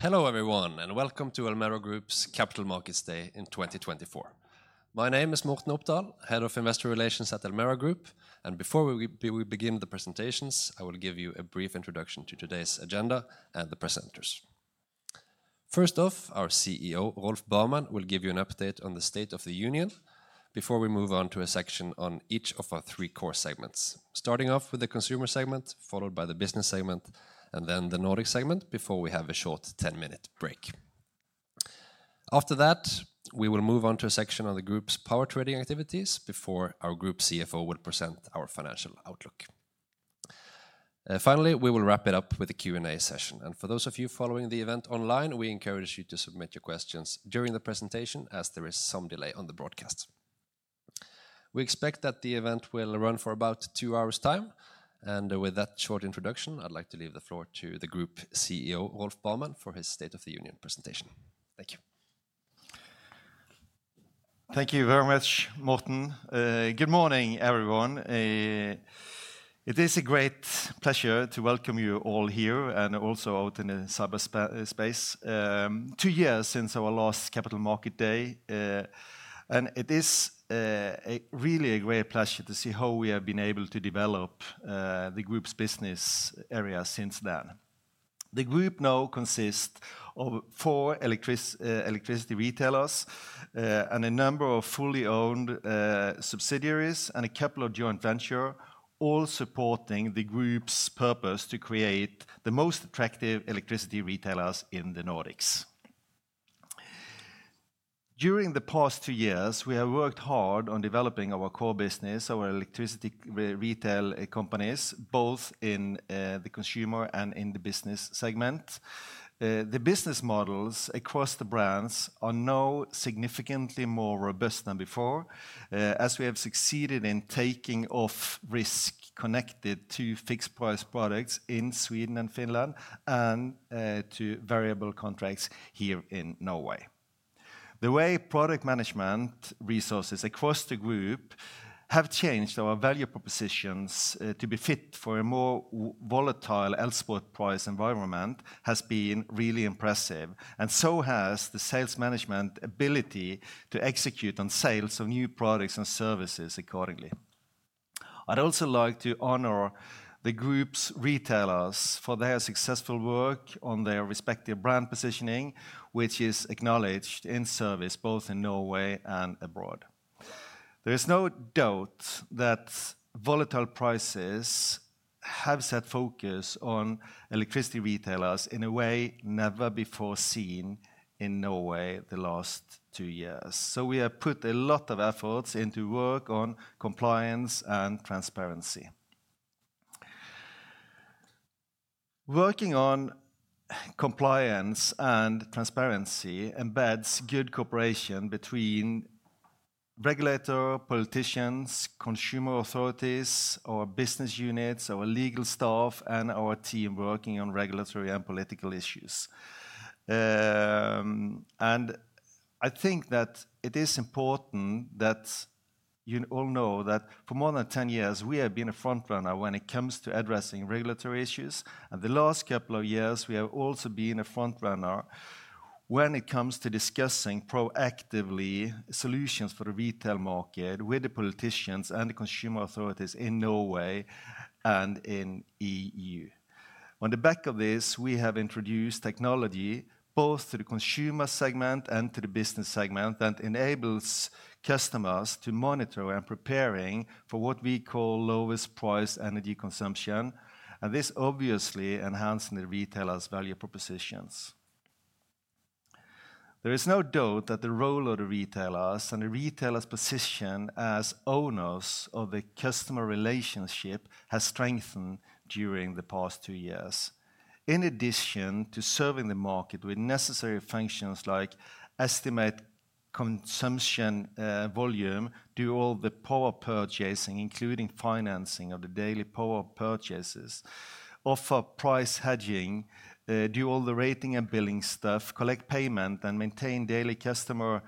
Hello everyone, and welcome to Elmera Group's Capital Markets Day in 2024. My name is Morten Opdal, Head of Investor Relations at Elmera Group, and before we begin the presentations, I will give you a brief introduction to today's agenda and the presenters. First off, our CEO, Rolf Barmen, will give you an update on the state of the union before we move on to a section on each of our three core segments, starting off with the consumer segment, followed by the business segment, and then the Nordic segment before we have a short 10-minute break. After that, we will move on to a section on the group's power trading activities before our Group CFO will present our financial outlook. Finally, we will wrap it up with a Q&A session, and for those of you following the event online, we encourage you to submit your questions during the presentation as there is some delay on the broadcast. We expect that the event will run for about two hours' time, and with that short introduction, I'd like to leave the floor to the Group CEO, Rolf Barmen, for his state of the union presentation. Thank you. Thank you very much, Morten. Good morning, everyone. It is a great pleasure to welcome you all here and also out in cyberspace. Two years since our last Capital Markets Day, and it is really a great pleasure to see how we have been able to develop the group's business area since then. The group now consists of four electricity retailers and a number of fully-owned subsidiaries and a couple of joint ventures, all supporting the group's purpose to create the most attractive electricity retailers in the Nordics. During the past two years, we have worked hard on developing our core business, our electricity retail companies, both in the consumer and in the business segment. The business models across the brands are now significantly more robust than before, as we have succeeded in taking off risk connected to fixed-price products in Sweden and Finland and to variable contracts here in Norway. The way product management resources across the group have changed our value propositions to be fit for a more volatile export price environment has been really impressive, and so has the sales management ability to execute on sales of new products and services accordingly. I'd also like to honor the group's retailers for their successful work on their respective brand positioning, which is acknowledged in service both in Norway and abroad. There is no doubt that volatile prices have set focus on electricity retailers in a way never before seen in Norway, the last two years. So we have put a lot of efforts into work on compliance and transparency. Working on compliance and transparency embeds good cooperation between regulators, politicians, consumer authorities, our business units, our legal staff, and our team working on regulatory and political issues. I think that it is important that you all know that for more than 10 years, we have been a front runner when it comes to addressing regulatory issues, and the last couple of years, we have also been a front runner when it comes to discussing proactively solutions for the retail market with the politicians and the consumer authorities in Norway and in the E.U. On the back of this, we have introduced technology both to the consumer segment and to the business segment and enables customers to monitor and prepare for what we call lowest price energy consumption, and this obviously enhances the retailers' value propositions. There is no doubt that the role of the retailers and the retailers' position as owners of the customer relationship has strengthened during the past two years. In addition to serving the market with necessary functions like estimate consumption volume, do all the power purchasing, including financing of the daily power purchases, offer price hedging, do all the rating and billing stuff, collect payment, and maintain daily customer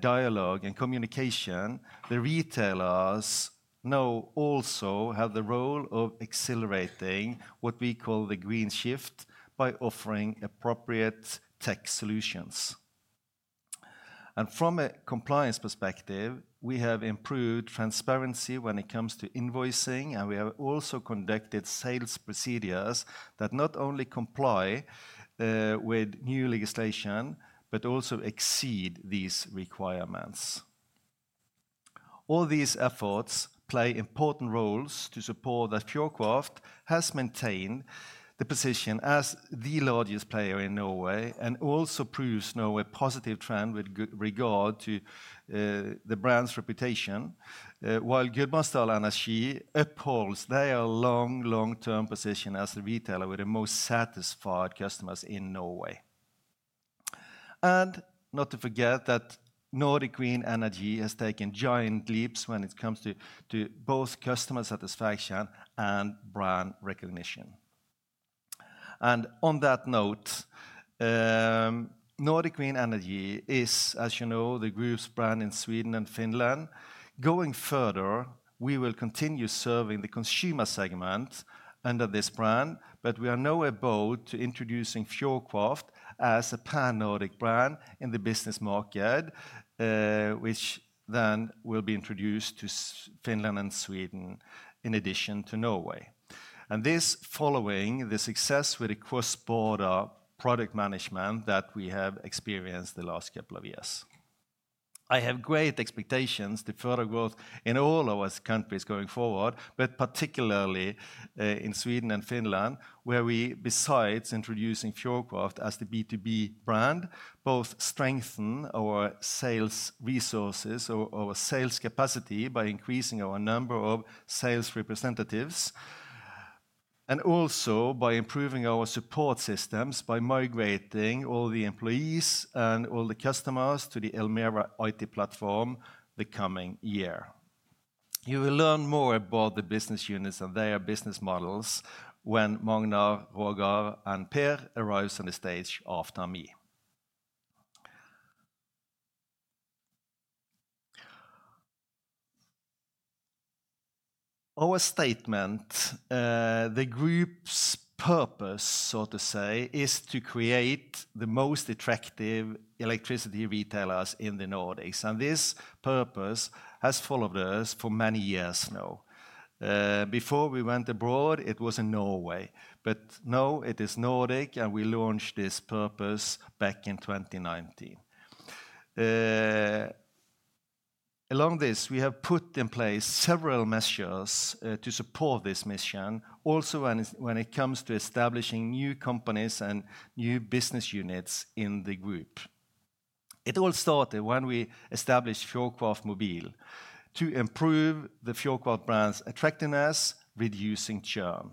dialogue and communication, the retailers now also have the role of accelerating what we call the green shift by offering appropriate tech solutions. From a compliance perspective, we have improved transparency when it comes to invoicing, and we have also conducted sales procedures that not only comply with new legislation, but also exceed these requirements. All these efforts play important roles to support that Fjordkraft has maintained the position as the largest player in Norway and also proves Norway's positive trend with regard to the brand's reputation, while Gudbrandsdal Energi upholds their long-term position as a retailer with the most satisfied customers in Norway. Not to forget that Nordic Green Energy has taken giant leaps when it comes to both customer satisfaction and brand recognition. On that note, Nordic Green Energy is, as you know, the group's brand in Sweden and Finland. Going further, we will continue serving the consumer segment under this brand, but we are now about to introduce Fjordkraft as a pan-Nordic brand in the business market, which then will be introduced to Finland and Sweden in addition to Norway. This is following the success with the cross-border product management that we have experienced the last couple of years. I have great expectations for the further growth in all our countries going forward, but particularly in Sweden and Finland, where we, besides introducing Fjordkraft as the B2B brand, both strengthen our sales resources, our sales capacity by increasing our number of sales representatives and also by improving our support systems by migrating all the employees and all the customers to the Elmera IT platform the coming year. You will learn more about the business units and their business models when Magnar, Roger, and Per arrive on the stage after me. Our statement, the group's purpose, so to say, is to create the most attractive electricity retailers in the Nordics, and this purpose has followed us for many years now. Before we went abroad, it was in Norway, but now it is Nordic, and we launched this purpose back in 2019. Along this, we have put in place several measures to support this mission, also when it comes to establishing new companies and new business units in the group. It all started when we established Fjordkraft Mobil to improve the Fjordkraft brand's attractiveness, reducing churn.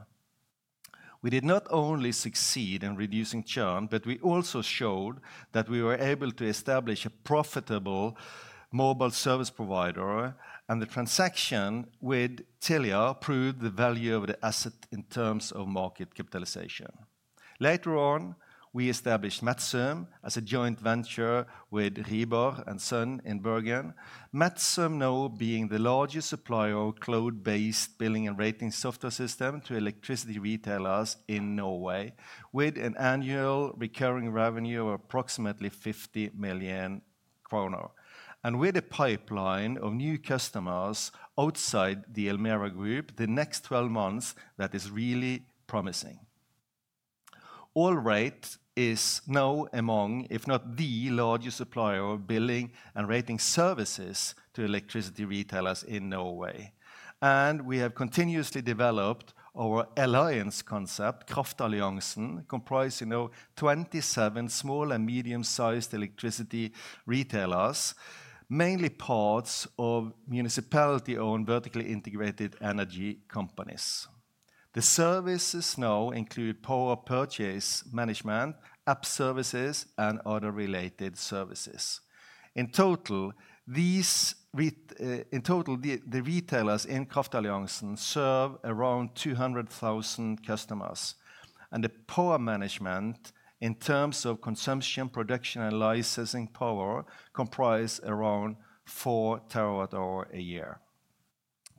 We did not only succeed in reducing churn, but we also showed that we were able to establish a profitable mobile service provider, and the transaction with Telia proved the value of the asset in terms of market capitalization. Later on, we established Metzum as a joint venture with Rieber & Søn in Bergen, Metzum now being the largest supplier of cloud-based billing and rating software system to electricity retailers in Norway, with an annual recurring revenue of approximately 50 million kroner, and with a pipeline of new customers outside the Elmera Group the next 12 months that is really promising. AllRate is now among, if not the largest supplier of billing and rating services to electricity retailers in Norway, and we have continuously developed our alliance concept, Kraftalliansen, comprising 27 small and medium-sized electricity retailers, mainly parts of municipality-owned vertically integrated energy companies. The services now include power purchase management, app services, and other related services. In total, the retailers in Kraftalliansen serve around 200,000 customers, and the power management in terms of consumption, production, and licensing power comprises around 4 TWh a year.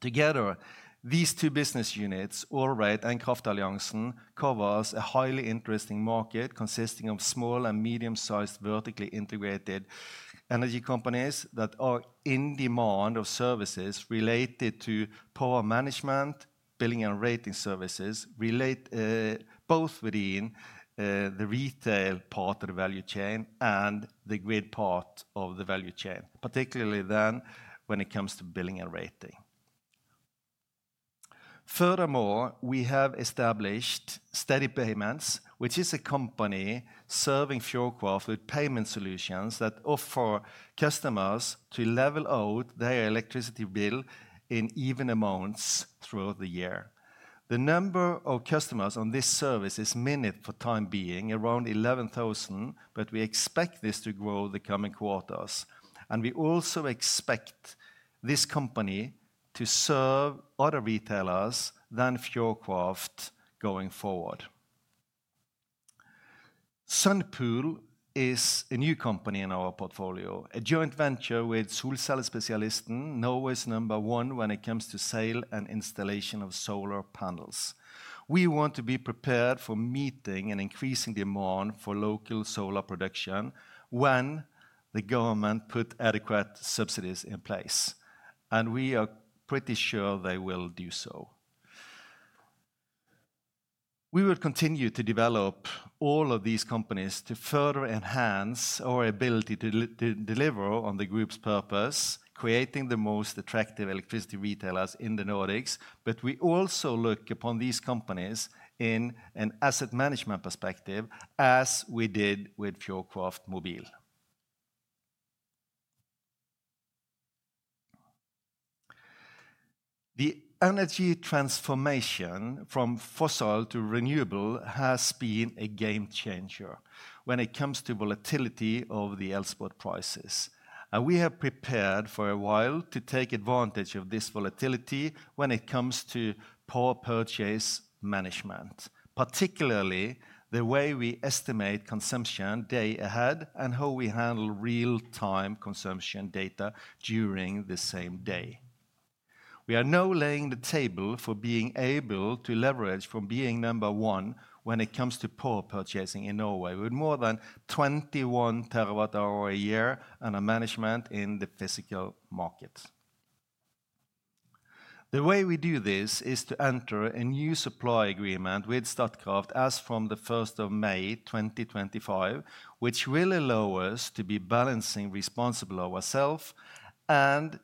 Together, these two business units, AllRate and Kraftalliansen, cover a highly interesting market consisting of small and medium-sized vertically integrated energy companies that are in demand of services related to power management, billing, and rating services both within the retail part of the value chain and the grid part of the value chain, particularly then when it comes to billing and rating. Furthermore, we have established Steady Payments, which is a company serving Fjordkraft with payment solutions that offer customers to level out their electricity bill in even amounts throughout the year. The number of customers on this service is minute for the time being around 11,000, but we expect this to grow the coming quarters, and we also expect this company to serve other retailers than Fjordkraft going forward. SunPool is a new company in our portfolio, a joint venture with Solcellespesialisten, Norway's number one when it comes to sale and installation of solar panels. We want to be prepared for meeting an increasing demand for local solar production when the government puts adequate subsidies in place, and we are pretty sure they will do so. We will continue to develop all of these companies to further enhance our ability to deliver on the group's purpose, creating the most attractive electricity retailers in the Nordics, but we also look upon these companies in an asset management perspective as we did with Fjordkraft Mobil. The energy transformation from fossil to renewable has been a game changer when it comes to volatility of the export prices, and we have prepared for a while to take advantage of this volatility when it comes to power purchase management, particularly the way we estimate consumption day ahead and how we handle real-time consumption data during the same day. We are now laying the table for being able to leverage from being number one when it comes to power purchasing in Norway with more than 21 TWh a year and a management in the physical markets. The way we do this is to enter a new supply agreement with Statkraft as from the May 1st, 2025, which really allows us to be balancing responsible ourselves and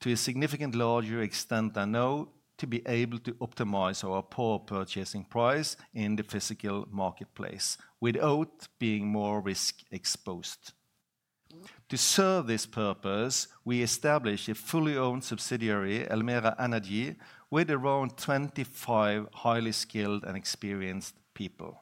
to a significantly larger extent than now to be able to optimize our power purchasing price in the physical marketplace without being more risk-exposed. To serve this purpose, we established a fully owned subsidiary, Elmera Energy, with around 25 highly skilled and experienced people.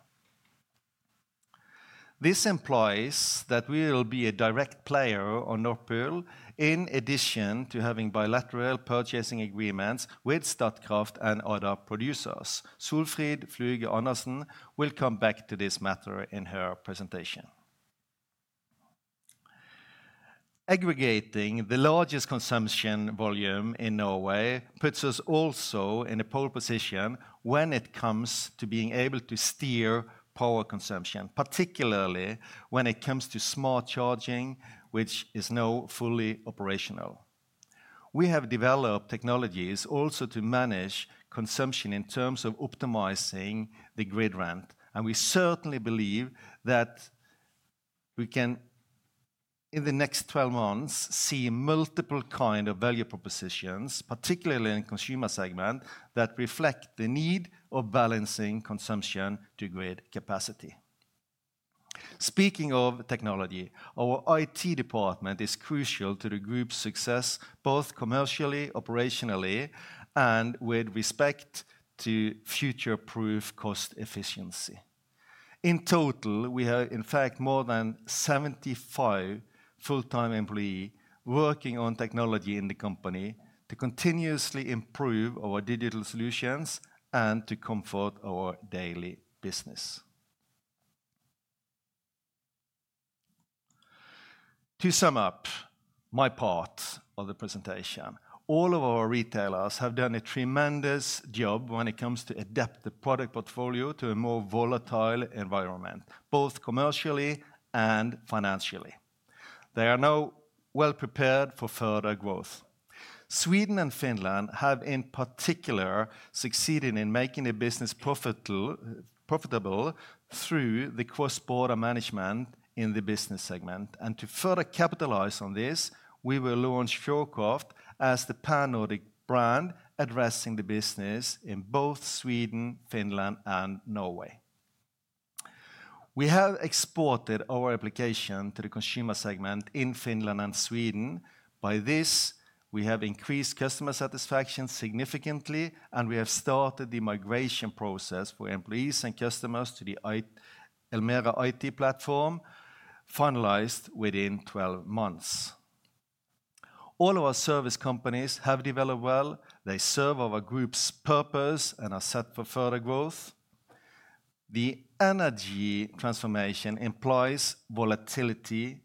This implies that we will be a direct player on Nord Pool in addition to having bilateral purchasing agreements with Statkraft and other producers. Solfrid Fluge Andersen will come back to this matter in her presentation. Aggregating the largest consumption volume in Norway puts us also in a pole position when it comes to being able to steer power consumption, particularly when it comes to smart charging, which is now fully operational. We have developed technologies also to manage consumption in terms of optimizing the grid rent, and we certainly believe that we can, in the next 12 months, see multiple kinds of value propositions, particularly in the consumer segment, that reflect the need of balancing consumption to grid capacity. Speaking of technology, our IT department is crucial to the group's success both commercially, operationally, and with respect to future-proof cost efficiency. In total, we have, in fact, more than 75 full-time employees working on technology in the company to continuously improve our digital solutions and to comfort our daily business. To sum up my part of the presentation, all of our retailers have done a tremendous job when it comes to adapting the product portfolio to a more volatile environment, both commercially and financially. They are now well prepared for further growth. Sweden and Finland have, in particular, succeeded in making the business profitable through the cross-border management in the business segment, and to further capitalize on this, we will launch Fjordkraft as the pan-Nordic brand addressing the business in both Sweden, Finland, and Norway. We have exported our application to the consumer segment in Finland and Sweden. By this, we have increased customer satisfaction significantly, and we have started the migration process for employees and customers to the Elmera IT platform, finalized within 12 months. All of our service companies have developed well. They serve our group's purpose and are set for further growth. The energy transformation implies volatility,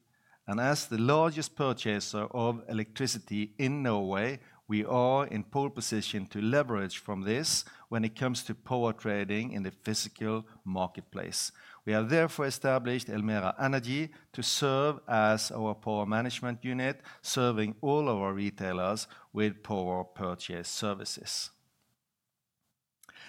and as the largest purchaser of electricity in Norway, we are in pole position to leverage from this when it comes to power trading in the physical marketplace. We have therefore established Elmera Energy to serve as our power management unit, serving all of our retailers with power purchase services.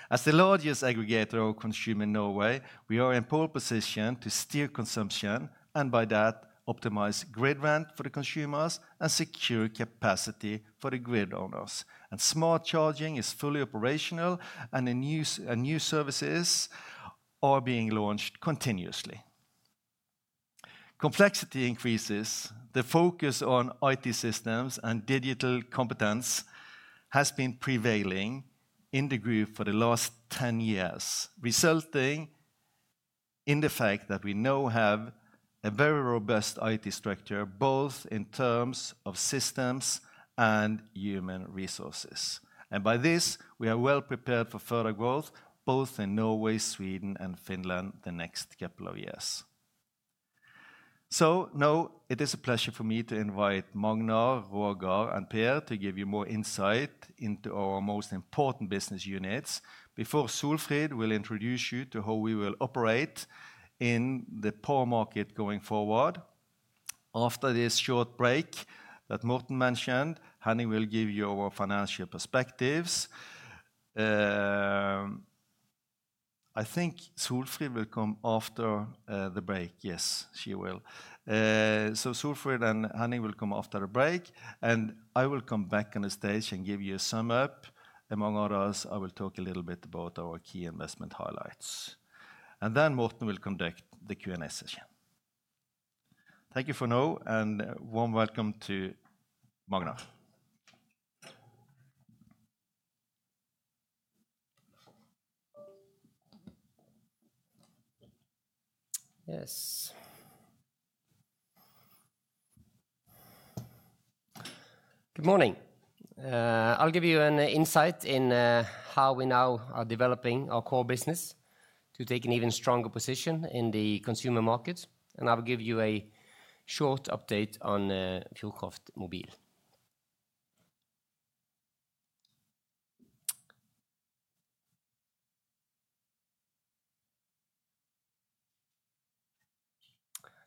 As the largest aggregator of consumer in Norway, we are in pole position to steer consumption and, by that, optimize grid rent for the consumers and secure capacity for the grid owners. Smart charging is fully operational, and new services are being launched continuously. Complexity increases. The focus on IT systems and digital competence has been prevailing in the group for the last 10 years, resulting in the fact that we now have a very robust IT structure both in terms of systems and human resources. By this, we are well prepared for further growth both in Norway, Sweden, and Finland the next couple of years. So now, it is a pleasure for me to invite Magnar, Roger, and Per to give you more insight into our most important business units before Solfrid will introduce you to how we will operate in the power market going forward. After this short break that Morten mentioned, Henning will give you our financial perspectives. I think Solfrid will come after the break. Yes, she will. So Solfrid and Henning will come after the break, and I will come back on the stage and give you a sum-up. Among others, I will talk a little bit about our key investment highlights, and then Morten will conduct the Q&A session. Thank you for now, and warm welcome to Magnar. Yes. Good morning. I'll give you an insight in how we now are developing our core business to take an even stronger position in the consumer market, and I'll give you a short update on Fjordkraft Mobil.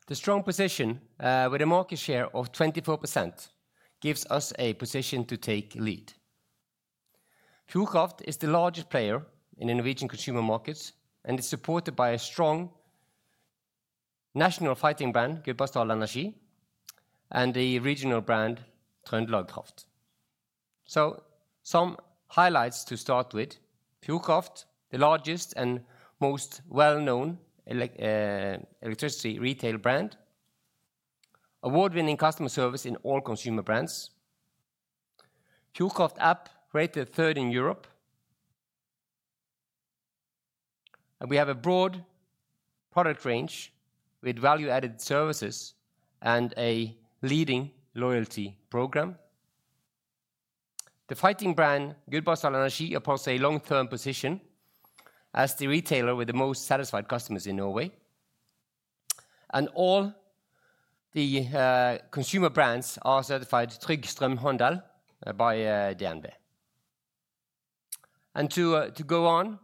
The strong position with a market share of 24% gives us a position to take lead. Fjordkraft is the largest player in Norwegian consumer markets, and it's supported by a strong national fighting brand, Gudbrandsdal Energi, and the regional brand TrøndelagKraft. So some highlights to start with: Fjordkraft, the largest and most well-known electricity retail brand, award-winning customer service in all consumer brands. Fjordkraft app rated third in Europe, and we have a broad product range with value-added services and a leading loyalty program. The fighting brand Gudbrandsdal Energi upholds a long-term position as the retailer with the most satisfied customers in Norway, and all the consumer brands are certified Trygg Strømhandel by DNB. To go on,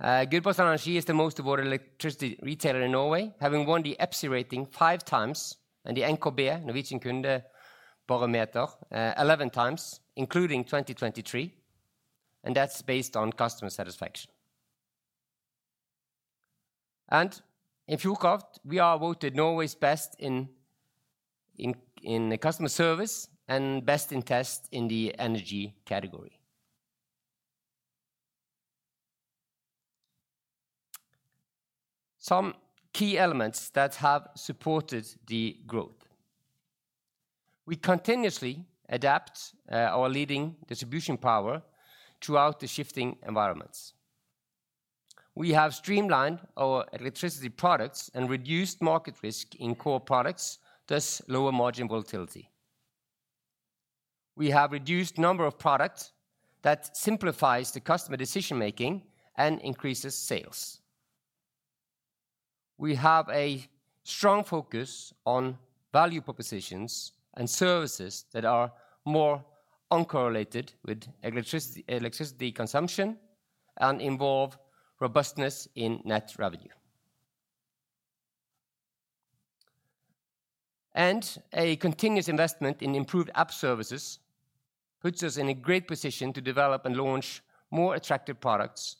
Gudbrandsdal Energi is the most awarded electricity retailer in Norway, having won the EPSI rating five times and the Norsk Kundebarometer 11 times, including 2023, and that's based on customer satisfaction. In Fjordkraft, we are voted Norway's best in customer service and best in test in the energy category. Some key elements that have supported the growth: we continuously adapt our leading distribution power throughout the shifting environments. We have streamlined our electricity products and reduced market risk in core products, thus lower margin volatility. We have reduced the number of products that simplifies the customer decision-making and increases sales. We have a strong focus on value propositions and services that are more uncorrelated with electricity consumption and involve robustness in net revenue. A continuous investment in improved app services puts us in a great position to develop and launch more attractive products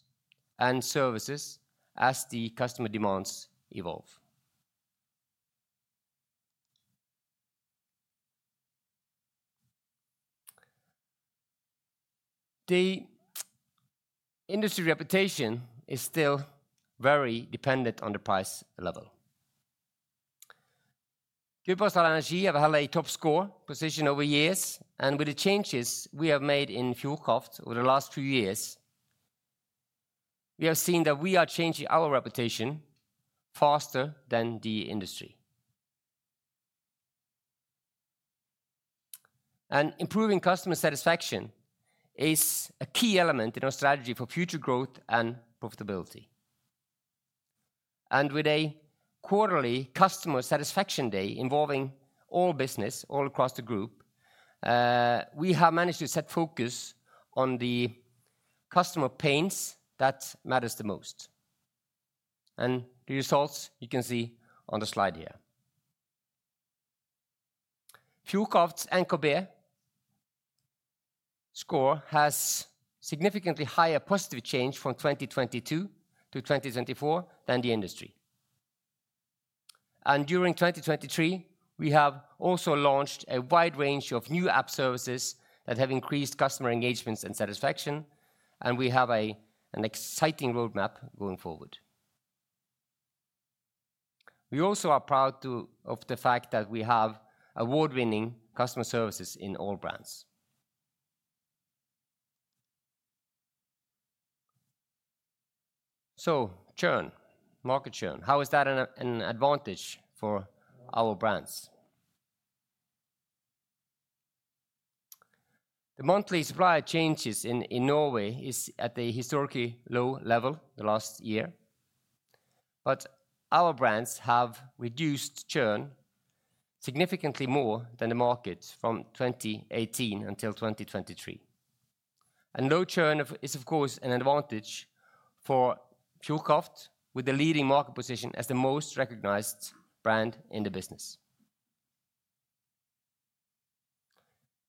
and services as the customer demands evolve. The industry reputation is still very dependent on the price level. Gudbrandsdal Energi have held a top score position over years, and with the changes we have made in Fjordkraft over the last few years, we have seen that we are changing our reputation faster than the industry. Improving customer satisfaction is a key element in our strategy for future growth and profitability. With a quarterly customer satisfaction day involving all business all across the group, we have managed to set focus on the customer pains that matter the most. The results you can see on the slide here. Fjordkraft's Encore Bare score has significantly higher positive change from 2022 to 2024 than the industry. During 2023, we have also launched a wide range of new app services that have increased customer engagements and satisfaction, and we have an exciting roadmap going forward. We also are proud of the fact that we have award-winning customer services in all brands. So churn, market churn, how is that an advantage for our brands? The monthly supply changes in Norway are at a historically low level the last year, but our brands have reduced churn significantly more than the market from 2018 until 2023. Low churn is, of course, an advantage for Fjordkraft, with the leading market position as the most recognized brand in the business.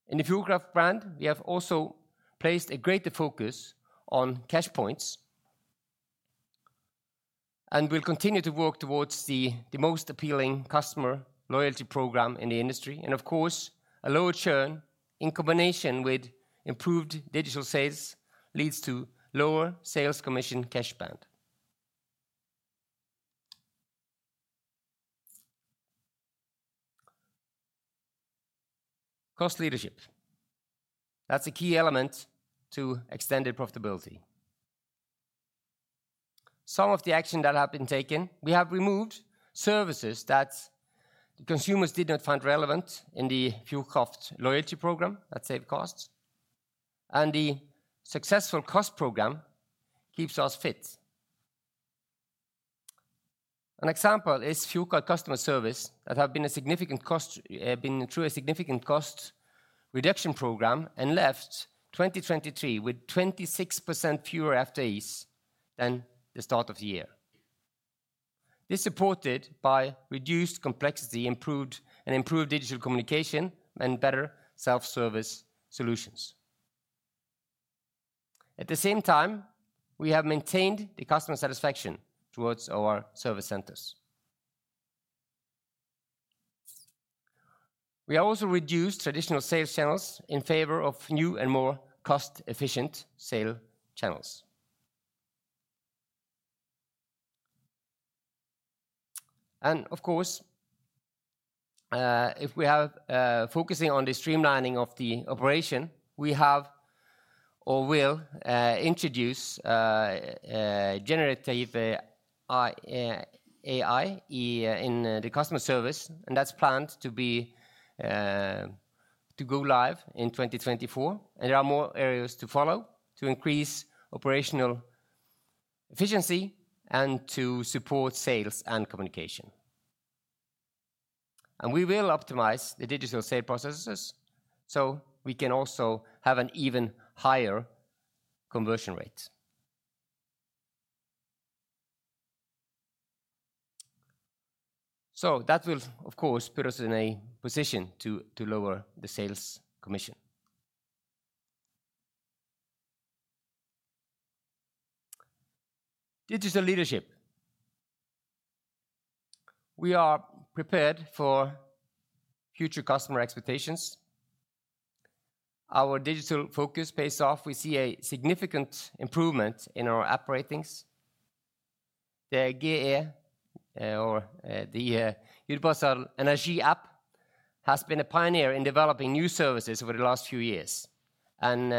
In the Fjordkraft brand, we have also placed a greater focus on cash points and will continue to work towards the most appealing customer loyalty program in the industry. Of course, a lower churn in combination with improved digital sales leads to lower sales commission cash band. Cost leadership. That's a key element to extended profitability. Some of the actions that have been taken, we have removed services that consumers did not find relevant in the Fjordkraft loyalty program to save costs, and the successful cost program keeps us fit. An example is Fjordkraft customer service that has been a significant cost, been through a significant cost reduction program and left 2023 with 26% fewer FTEs than the start of the year. This is supported by reduced complexity, improved digital communication, and better self-service solutions. At the same time, we have maintained the customer satisfaction towards our service centers. We have also reduced traditional sales channels in favor of new and more cost-efficient sale channels. And of course, if we are focusing on the streamlining of the operation, we have or will introduce generative AI in the customer service, and that's planned to go live in 2024. And there are more areas to follow to increase operational efficiency and to support sales and communication. And we will optimize the digital sale processes so we can also have an even higher conversion rate. So that will, of course, put us in a position to lower the sales commission. Digital leadership. We are prepared for future customer expectations. Our digital focus pays off. We see a significant improvement in our app ratings. The GDE or the Gudbrandsdal Energi app has been a pioneer in developing new services over the last few years, and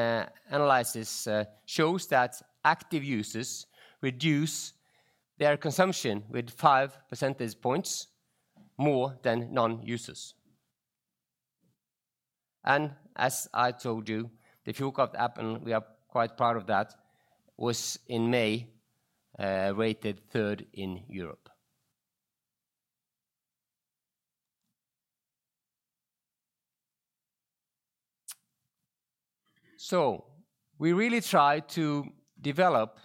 analysis shows that active users reduce their consumption with 5 percentage points more than non-users. As I told you, the Fjordkraft app, and we are quite proud of that, was in May rated third in Europe. We really try to develop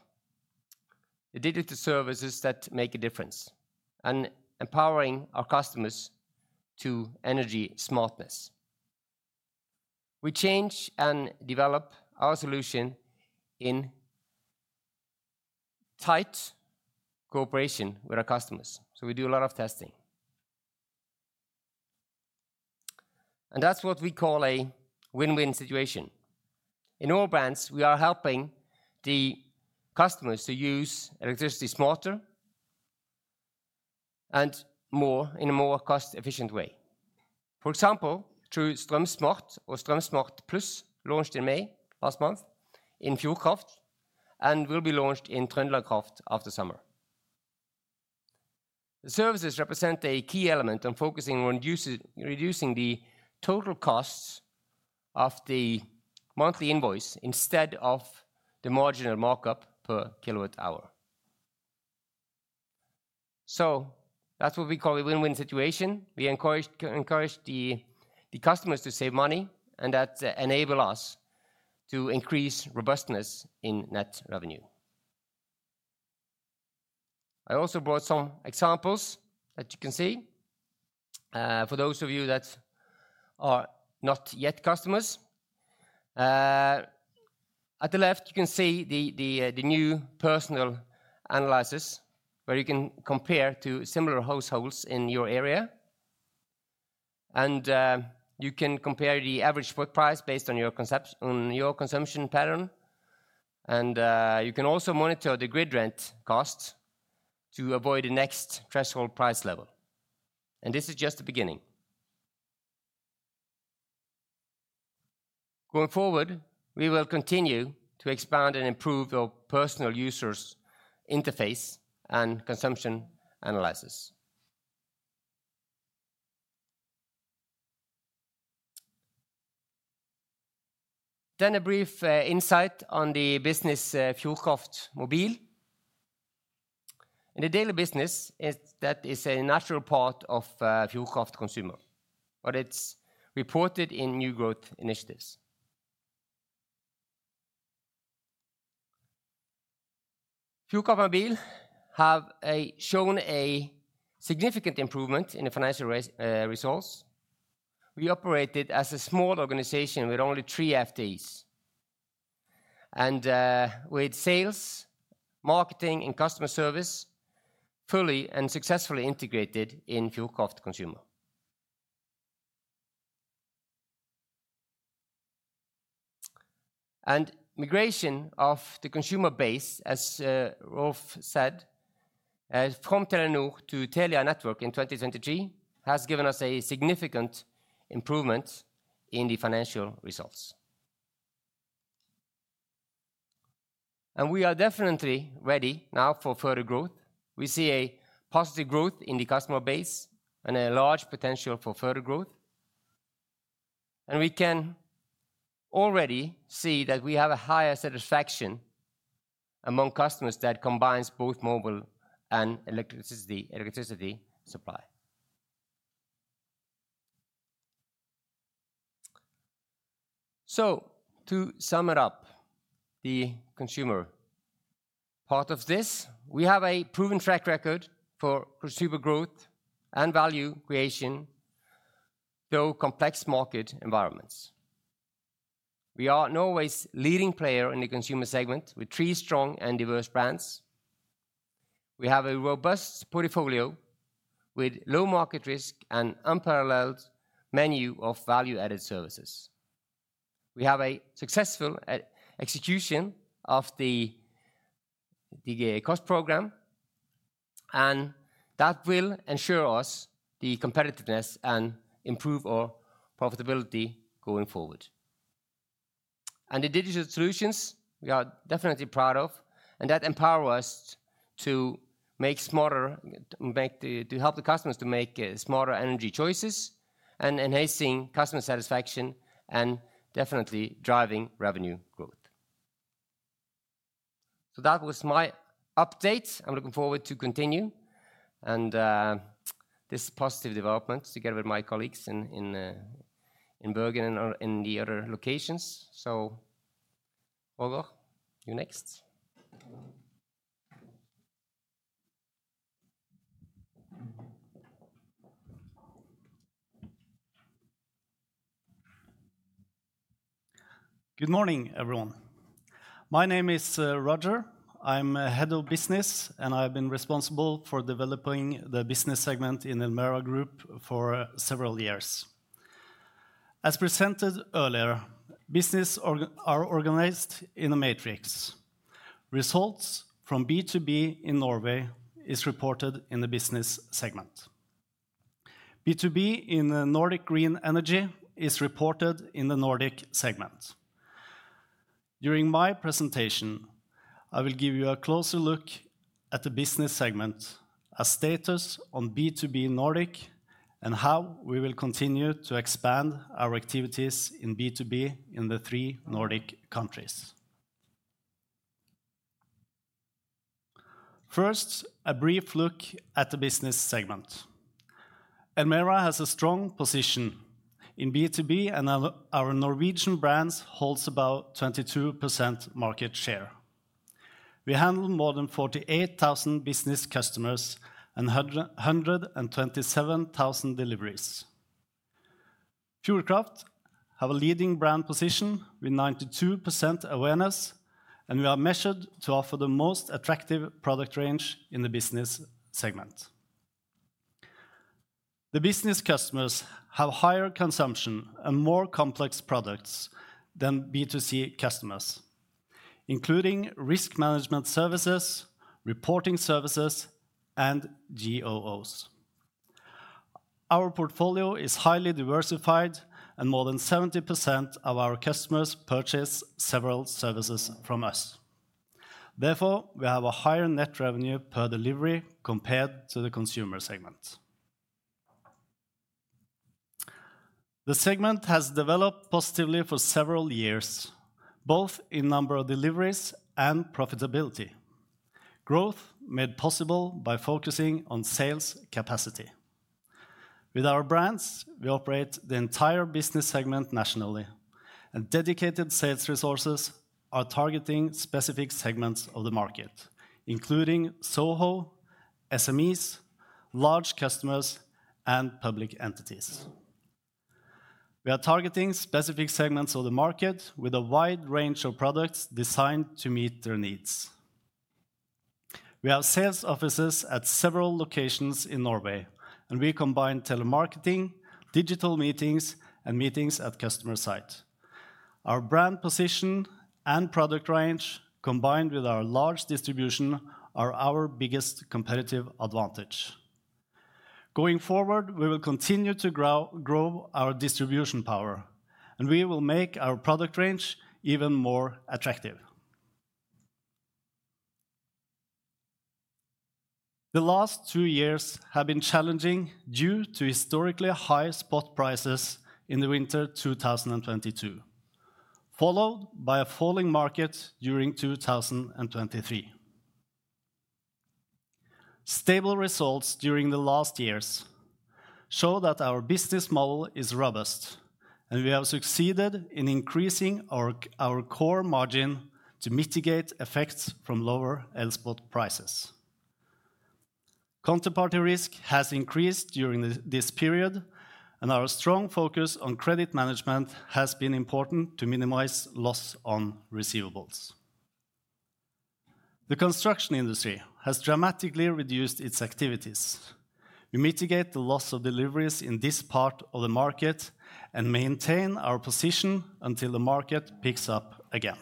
the digital services that make a difference and empower our customers to energy smartness. We change and develop our solution in tight cooperation with our customers. We do a lot of testing. That's what we call a win-win situation. In all brands, we are helping the customers to use electricity smarter and more cost-efficient way. For example, through Strømsmart or Strømsmart+, launched in May last month in Fjordkraft and will be launched in Trøndelag Kraft after summer. The services represent a key element on focusing on reducing the total costs of the monthly invoice instead of the marginal markup per kWh. So that's what we call a win-win situation. We encourage the customers to save money and that enables us to increase robustness in net revenue. I also brought some examples that you can see for those of you that are not yet customers. At the left, you can see the new personal analysis where you can compare to similar households in your area, and you can compare the average price based on your consumption pattern. And you can also monitor the grid rent costs to avoid the next threshold price level. And this is just the beginning. Going forward, we will continue to expand and improve our personal users' interface and consumption analysis. Then a brief insight on the business Fjordkraft Mobil. In the daily business, that is a natural part of Fjordkraft consumer, but it's reported in new growth initiatives. Fjordkraft Mobil has shown a significant improvement in the financial results. We operated as a small organization with only three FTEs and with sales, marketing, and customer service fully and successfully integrated in Fjordkraft consumer. And migration of the consumer base, as Rolf said, from Telenor to Telia Network in 2023 has given us a significant improvement in the financial results. And we are definitely ready now for further growth. We see a positive growth in the customer base and a large potential for further growth. And we can already see that we have a higher satisfaction among customers that combines both mobile and electricity supply. So to sum it up, the consumer part of this, we have a proven track record for consumer growth and value creation through complex market environments. We are Norway's leading player in the consumer segment with three strong and diverse brands. We have a robust portfolio with low market risk and an unparalleled menu of value-added services. We have a successful execution of the cost program, and that will ensure us the competitiveness and improve our profitability going forward. And the digital solutions we are definitely proud of, and that empowers us to make smarter, to help the customers to make smarter energy choices and enhancing customer satisfaction and definitely driving revenue growth. So that was my update. I'm looking forward to continuing this positive development together with my colleagues in Bergen and in the other locations. So Roger, you next. Good morning, everyone. My name is Roger. I'm head of business, and I've been responsible for developing the business segment in Elmera Group for several years. As presented earlier, business is organized in a matrix. Results from B2B in Norway are reported in the business segment. B2B in Nordic Green Energy is reported in the Nordic segment. During my presentation, I will give you a closer look at the business segment, a status on B2B Nordic, and how we will continue to expand our activities in B2B in the three Nordic countries. First, a brief look at the business segment. Elmera has a strong position in B2B, and our Norwegian brand holds about 22% market share. We handle more than 48,000 business customers and 127,000 deliveries. Fjordkraft has a leading brand position with 92% awareness, and we are measured to offer the most attractive product range in the business segment. The business customers have higher consumption and more complex products than B2C customers, including risk management services, reporting services, and GOOs. Our portfolio is highly diversified, and more than 70% of our customers purchase several services from us. Therefore, we have a higher net revenue per delivery compared to the consumer segment. The segment has developed positively for several years, both in number of deliveries and profitability. Growth made possible by focusing on sales capacity. With our brands, we operate the entire business segment nationally, and dedicated sales resources are targeting specific segments of the market, including Soho, SMEs, large customers, and public entities. We are targeting specific segments of the market with a wide range of products designed to meet their needs. We have sales offices at several locations in Norway, and we combine telemarketing, digital meetings, and meetings at customer sites. Our brand position and product range, combined with our large distribution, are our biggest competitive advantage. Going forward, we will continue to grow our distribution power, and we will make our product range even more attractive. The last two years have been challenging due to historically high spot prices in the winter 2022, followed by a falling market during 2023. Stable results during the last years show that our business model is robust, and we have succeeded in increasing our core margin to mitigate effects from lower spot prices. Counterparty risk has increased during this period, and our strong focus on credit management has been important to minimize loss on receivables. The construction industry has dramatically reduced its activities. We mitigate the loss of deliveries in this part of the market and maintain our position until the market picks up again.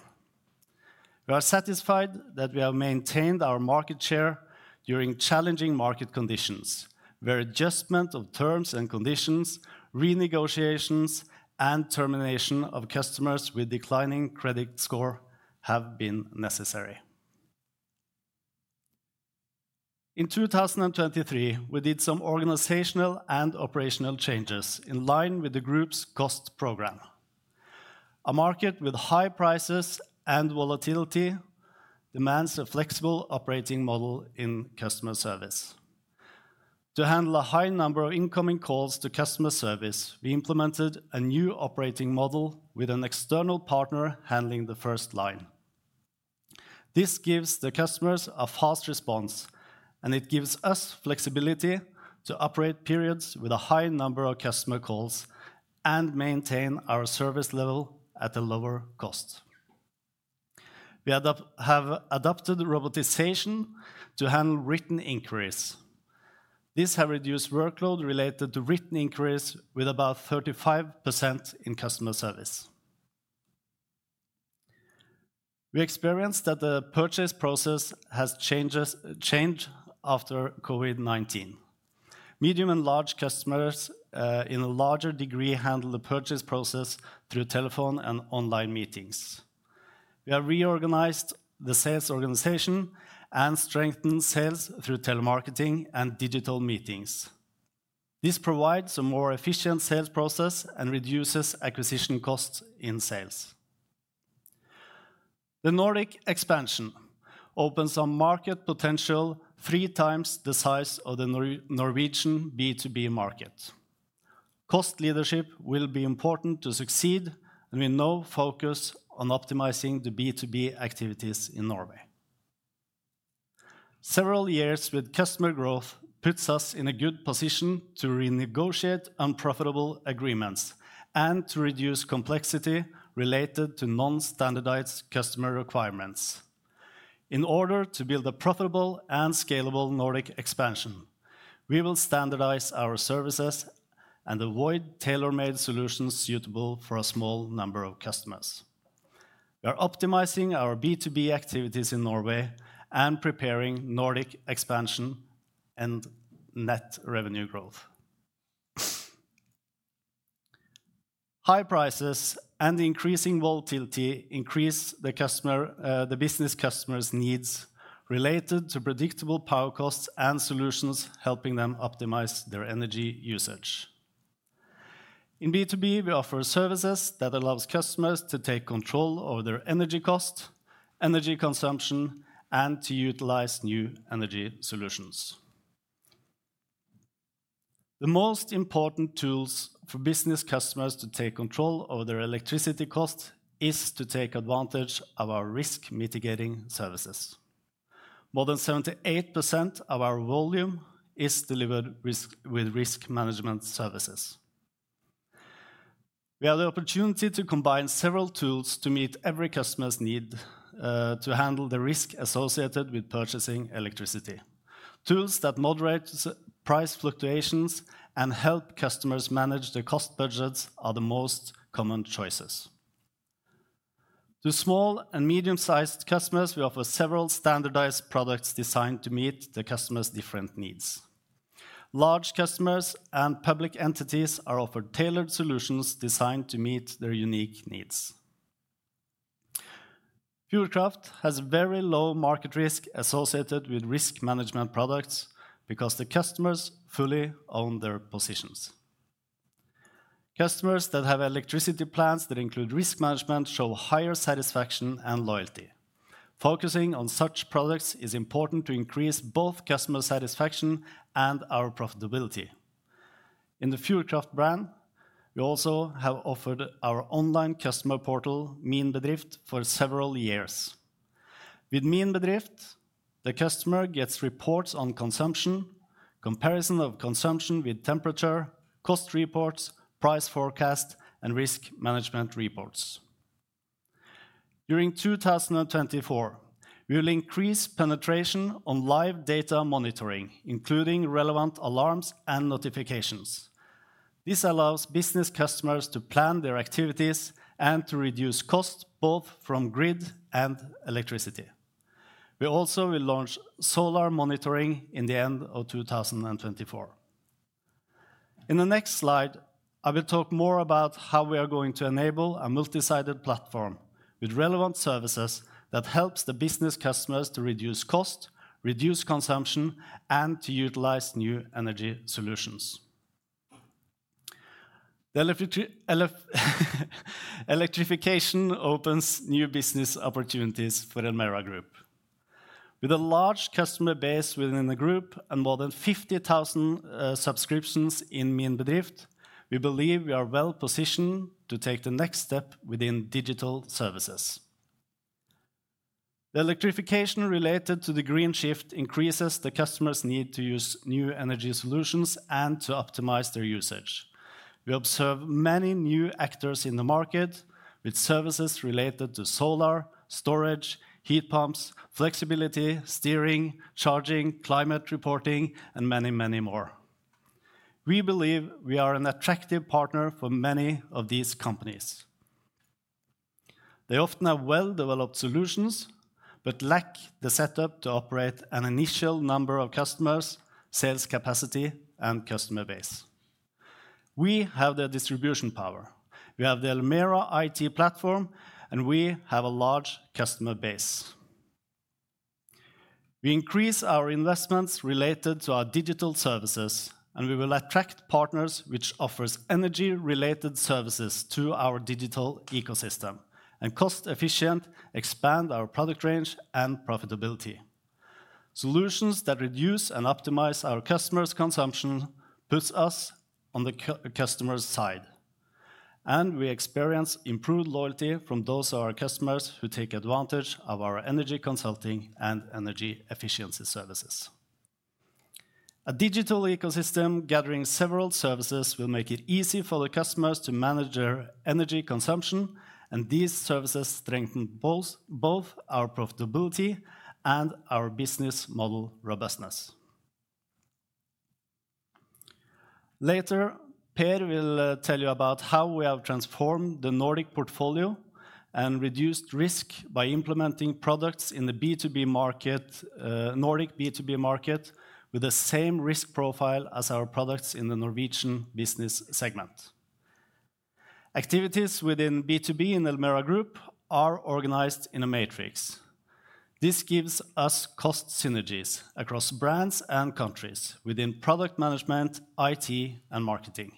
We are satisfied that we have maintained our market share during challenging market conditions, where adjustment of terms and conditions, renegotiations, and termination of customers with declining credit score have been necessary. In 2023, we did some organizational and operational changes in line with the group's cost program. A market with high prices and volatility demands a flexible operating model in customer service. To handle a high number of incoming calls to customer service, we implemented a new operating model with an external partner handling the first line. This gives the customers a fast response, and it gives us flexibility to operate periods with a high number of customer calls and maintain our service level at a lower cost. We have adopted robotization to handle written inquiries. This has reduced workload related to written inquiries with about 35% in customer service. We experienced that the purchase process has changed after COVID-19. Medium and large customers in a larger degree handle the purchase process through telephone and online meetings. We have reorganized the sales organization and strengthened sales through telemarketing and digital meetings. This provides a more efficient sales process and reduces acquisition costs in sales. The Nordic expansion opens a market potential three times the size of the Norwegian B2B market. Cost leadership will be important to succeed, and we now focus on optimizing the B2B activities in Norway. Several years with customer growth puts us in a good position to renegotiate unprofitable agreements and to reduce complexity related to non-standardized customer requirements. In order to build a profitable and scalable Nordic expansion, we will standardize our services and avoid tailor-made solutions suitable for a small number of customers. We are optimizing our B2B activities in Norway and preparing Nordic expansion and net revenue growth. High prices and increasing volatility increase the business customers' needs related to predictable power costs and solutions helping them optimize their energy usage. In B2B, we offer services that allow customers to take control over their energy costs, energy consumption, and to utilize new energy solutions. The most important tools for business customers to take control over their electricity costs is to take advantage of our risk-mitigating services. More than 78% of our volume is delivered with risk management services. We have the opportunity to combine several tools to meet every customer's need to handle the risk associated with purchasing electricity. Tools that moderate price fluctuations and help customers manage their cost budgets are the most common choices. To small and medium-sized customers, we offer several standardized products designed to meet the customer's different needs. Large customers and public entities are offered tailored solutions designed to meet their unique needs. Fjordkraft has very low market risk associated with risk management products because the customers fully own their positions. Customers that have electricity plans that include risk management show higher satisfaction and loyalty. Focusing on such products is important to increase both customer satisfaction and our profitability. In the Fjordkraft brand, we also have offered our online customer portal, Min Bedrift, for several years. With Min Bedrift, the customer gets reports on consumption, comparison of consumption with temperature, cost reports, price forecast, and risk management reports. During 2024, we will increase penetration on live data monitoring, including relevant alarms and notifications. This allows business customers to plan their activities and to reduce costs both from grid and electricity. We also will launch solar monitoring in the end of 2024. In the next slide, I will talk more about how we are going to enable a multi-sided platform with relevant services that helps the business customers to reduce costs, reduce consumption, and to utilize new energy solutions. Electrification opens new business opportunities for Elmera Group. With a large customer base within the group and more than 50,000 subscriptions in Min Bedrift, we believe we are well positioned to take the next step within digital services. The electrification related to the green shift increases the customer's need to use new energy solutions and to optimize their usage. We observe many new actors in the market with services related to solar, storage, heat pumps, flexibility, steering, charging, climate reporting, and many, many more. We believe we are an attractive partner for many of these companies. They often have well-developed solutions but lack the setup to operate an initial number of customers, sales capacity, and customer base. We have their distribution power. We have the Elmera IT platform, and we have a large customer base. We increase our investments related to our digital services, and we will attract partners which offer energy-related services to our digital ecosystem and cost-efficiently expand our product range and profitability. Solutions that reduce and optimize our customers' consumption put us on the customer's side, and we experience improved loyalty from those of our customers who take advantage of our energy consulting and energy efficiency services. A digital ecosystem gathering several services will make it easy for the customers to manage their energy consumption, and these services strengthen both our profitability and our business model robustness. Later, Per will tell you about how we have transformed the Nordic portfolio and reduced risk by implementing products in the B2B market, Nordic B2B market, with the same risk profile as our products in the Norwegian business segment. Activities within B2B in Elmera Group are organized in a matrix. This gives us cost synergies across brands and countries within product management, IT, and marketing.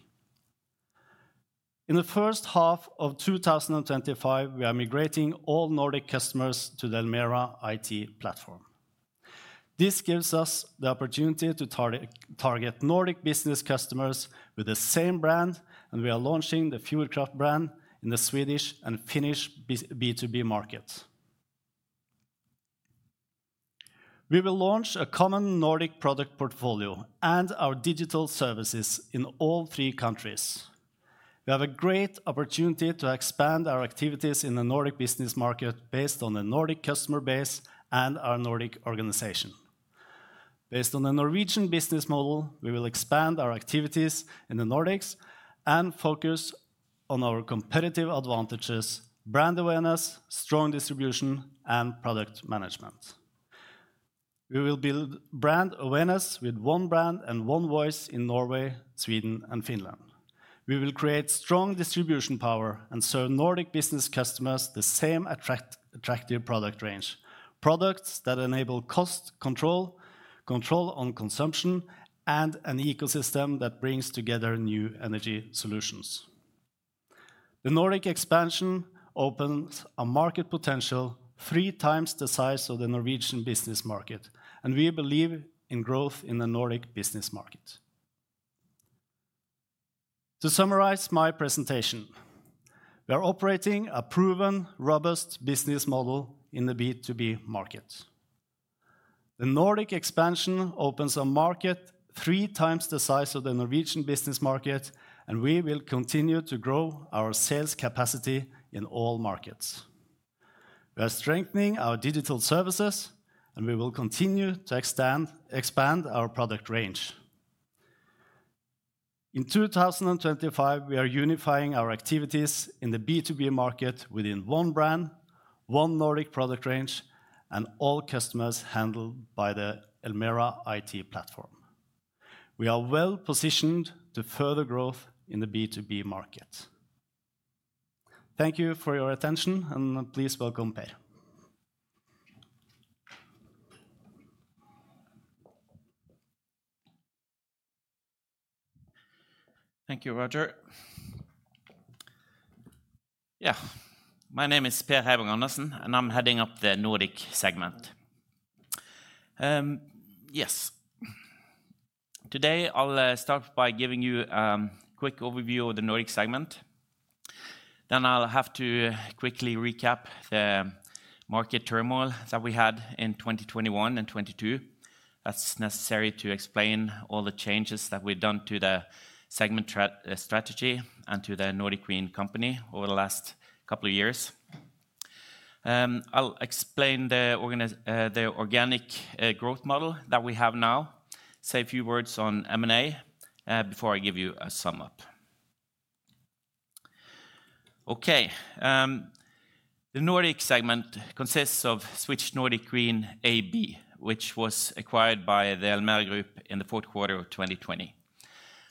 In the H1 of 2025, we are migrating all Nordic customers to the Elmera IT platform. This gives us the opportunity to target Nordic business customers with the same brand, and we are launching the Fjordkraft brand in the Swedish and Finnish B2B market. We will launch a common Nordic product portfolio and our digital services in all three countries. We have a great opportunity to expand our activities in the Nordic business market based on the Nordic customer base and our Nordic organization. Based on the Norwegian business model, we will expand our activities in the Nordics and focus on our competitive advantages, brand awareness, strong distribution, and product management. We will build brand awareness with one brand and one voice in Norway, Sweden, and Finland. We will create strong distribution power and serve Nordic business customers the same attractive product range, products that enable cost control, control on consumption, and an ecosystem that brings together new energy solutions. The Nordic expansion opens a market potential three times the size of the Norwegian business market, and we believe in growth in the Nordic business market. To summarize my presentation, we are operating a proven, robust business model in the B2B market. The Nordic expansion opens a market three times the size of the Norwegian business market, and we will continue to grow our sales capacity in all markets. We are strengthening our digital services, and we will continue to expand our product range. In 2025, we are unifying our activities in the B2B market within one brand, one Nordic product range, and all customers handled by the Elmera IT platform. We are well positioned to further growth in the B2B market. Thank you for your attention, and please welcome Per. Thank you, Roger. Yeah, my name is Per Heiberg-Andersen, and I'm heading up the Nordic segment. Yes, today I'll start by giving you a quick overview of the Nordic segment. Then I'll have to quickly recap the market turmoil that we had in 2021 and 2022. That's necessary to explain all the changes that we've done to the segment strategy and to the Nordic Green Energy over the last couple of years. I'll explain the organic growth model that we have now, say a few words on M&A before I give you a sum up. Okay, the Nordic segment consists of Swedish Nordic Green AB, which was acquired by the Elmera Group in the Q4 of 2020.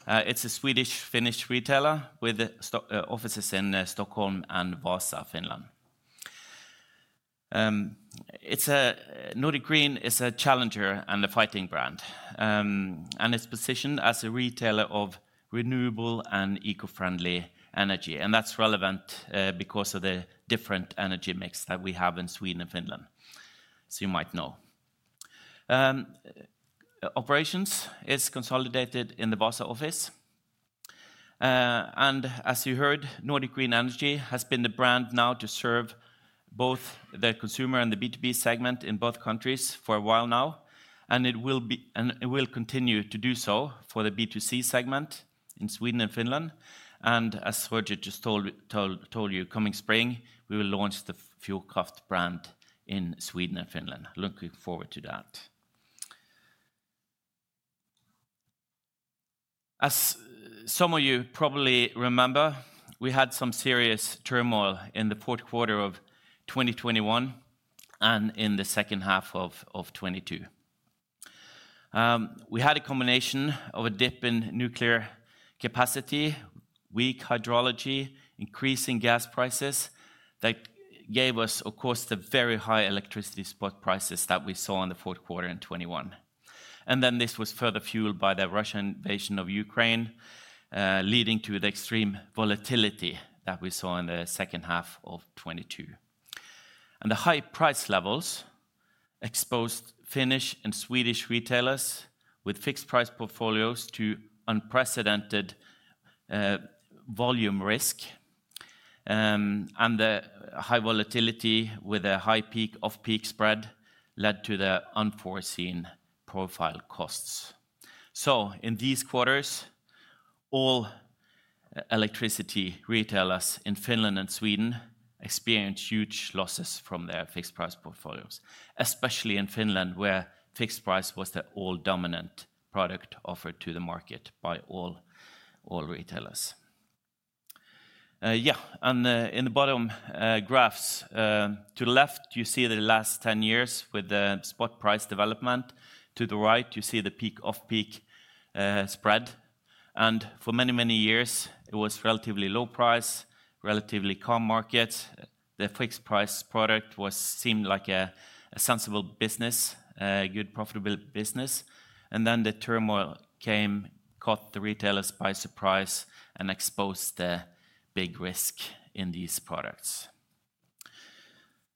It's a Swedish-Finnish retailer with offices in Stockholm and Vaasa, Finland. It's a Nordic Green, it's a challenger and a fighting brand, and it's positioned as a retailer of renewable and eco-friendly energy, and that's relevant because of the different energy mix that we have in Sweden and Finland, as you might know. Operations is consolidated in the Vaasa office, and as you heard, Nordic Green Energy has been the brand now to serve both the consumer and the B2B segment in both countries for a while now, and it will continue to do so for the B2C segment in Sweden and Finland. And as Roger just told you, coming spring, we will launch the Fjordkraft brand in Sweden and Finland. Looking forward to that. As some of you probably remember, we had some serious turmoil in the Q4 of 2021 and in the H2 of 2022. We had a combination of a dip in nuclear capacity, weak hydrology, increasing gas prices that gave us, of course, the very high electricity spot prices that we saw in the Q4 in 2021. And then this was further fueled by the Russian invasion of Ukraine, leading to the extreme volatility that we saw in the H2 of 2022. And the high price levels exposed Finnish and Swedish retailers with fixed price portfolios to unprecedented volume risk, and the high volatility with a high peak-off-peak spread led to the unforeseen profile costs. So in these quarters, all electricity retailers in Finland and Sweden experienced huge losses from their fixed price portfolios, especially in Finland where fixed price was the all-dominant product offered to the market by all retailers. Yeah, and in the bottom graphs to the left, you see the last 10 years with the spot price development. To the right, you see the peak-off-peak spread. And for many, many years, it was relatively low price, relatively calm markets. The fixed price product seemed like a sensible business, a good profitable business. And then the turmoil came, caught the retailers by surprise, and exposed the big risk in these products.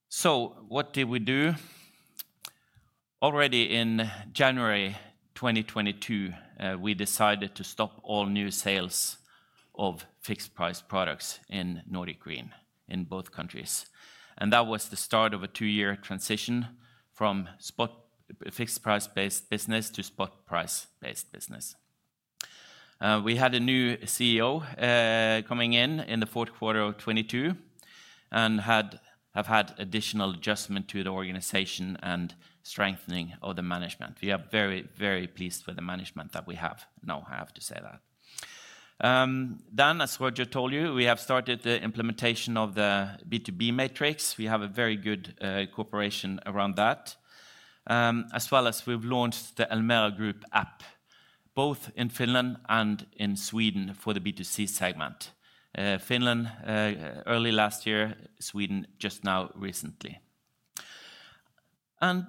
So what did we do? Already in January 2022, we decided to stop all new sales of fixed price products in Nordic Green in both countries. That was the start of a two-year transition from fixed price-based business to spot price-based business. We had a new CEO coming in in the Q4 of 2022 and have had additional adjustment to the organization and strengthening of the management. We are very, very pleased with the management that we now have to say that. Then, as Roger told you, we have started the implementation of the B2B matrix. We have a very good cooperation around that, as well as we've launched the Elmera Group app, both in Finland and in Sweden for the B2C segment. Finland early last year, Sweden just now recently.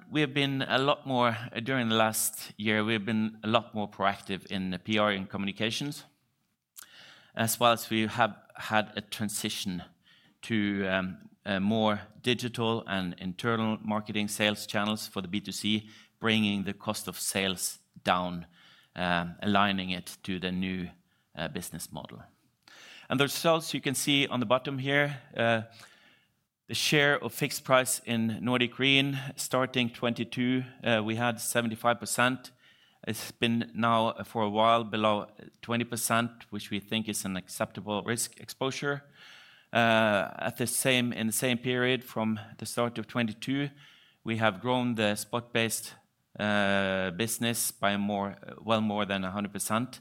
We have been a lot more during the last year. We've been a lot more proactive in the PR and communications, as well as we have had a transition to more digital and internal marketing sales channels for the B2C, bringing the cost of sales down, aligning it to the new business model. The results you can see on the bottom here, the share of fixed price in Nordic Green starting 2022, we had 75%. It's been now for a while below 20%, which we think is an acceptable risk exposure. At the same time, in the same period from the start of 2022, we have grown the spot-based business by well, more than 100%.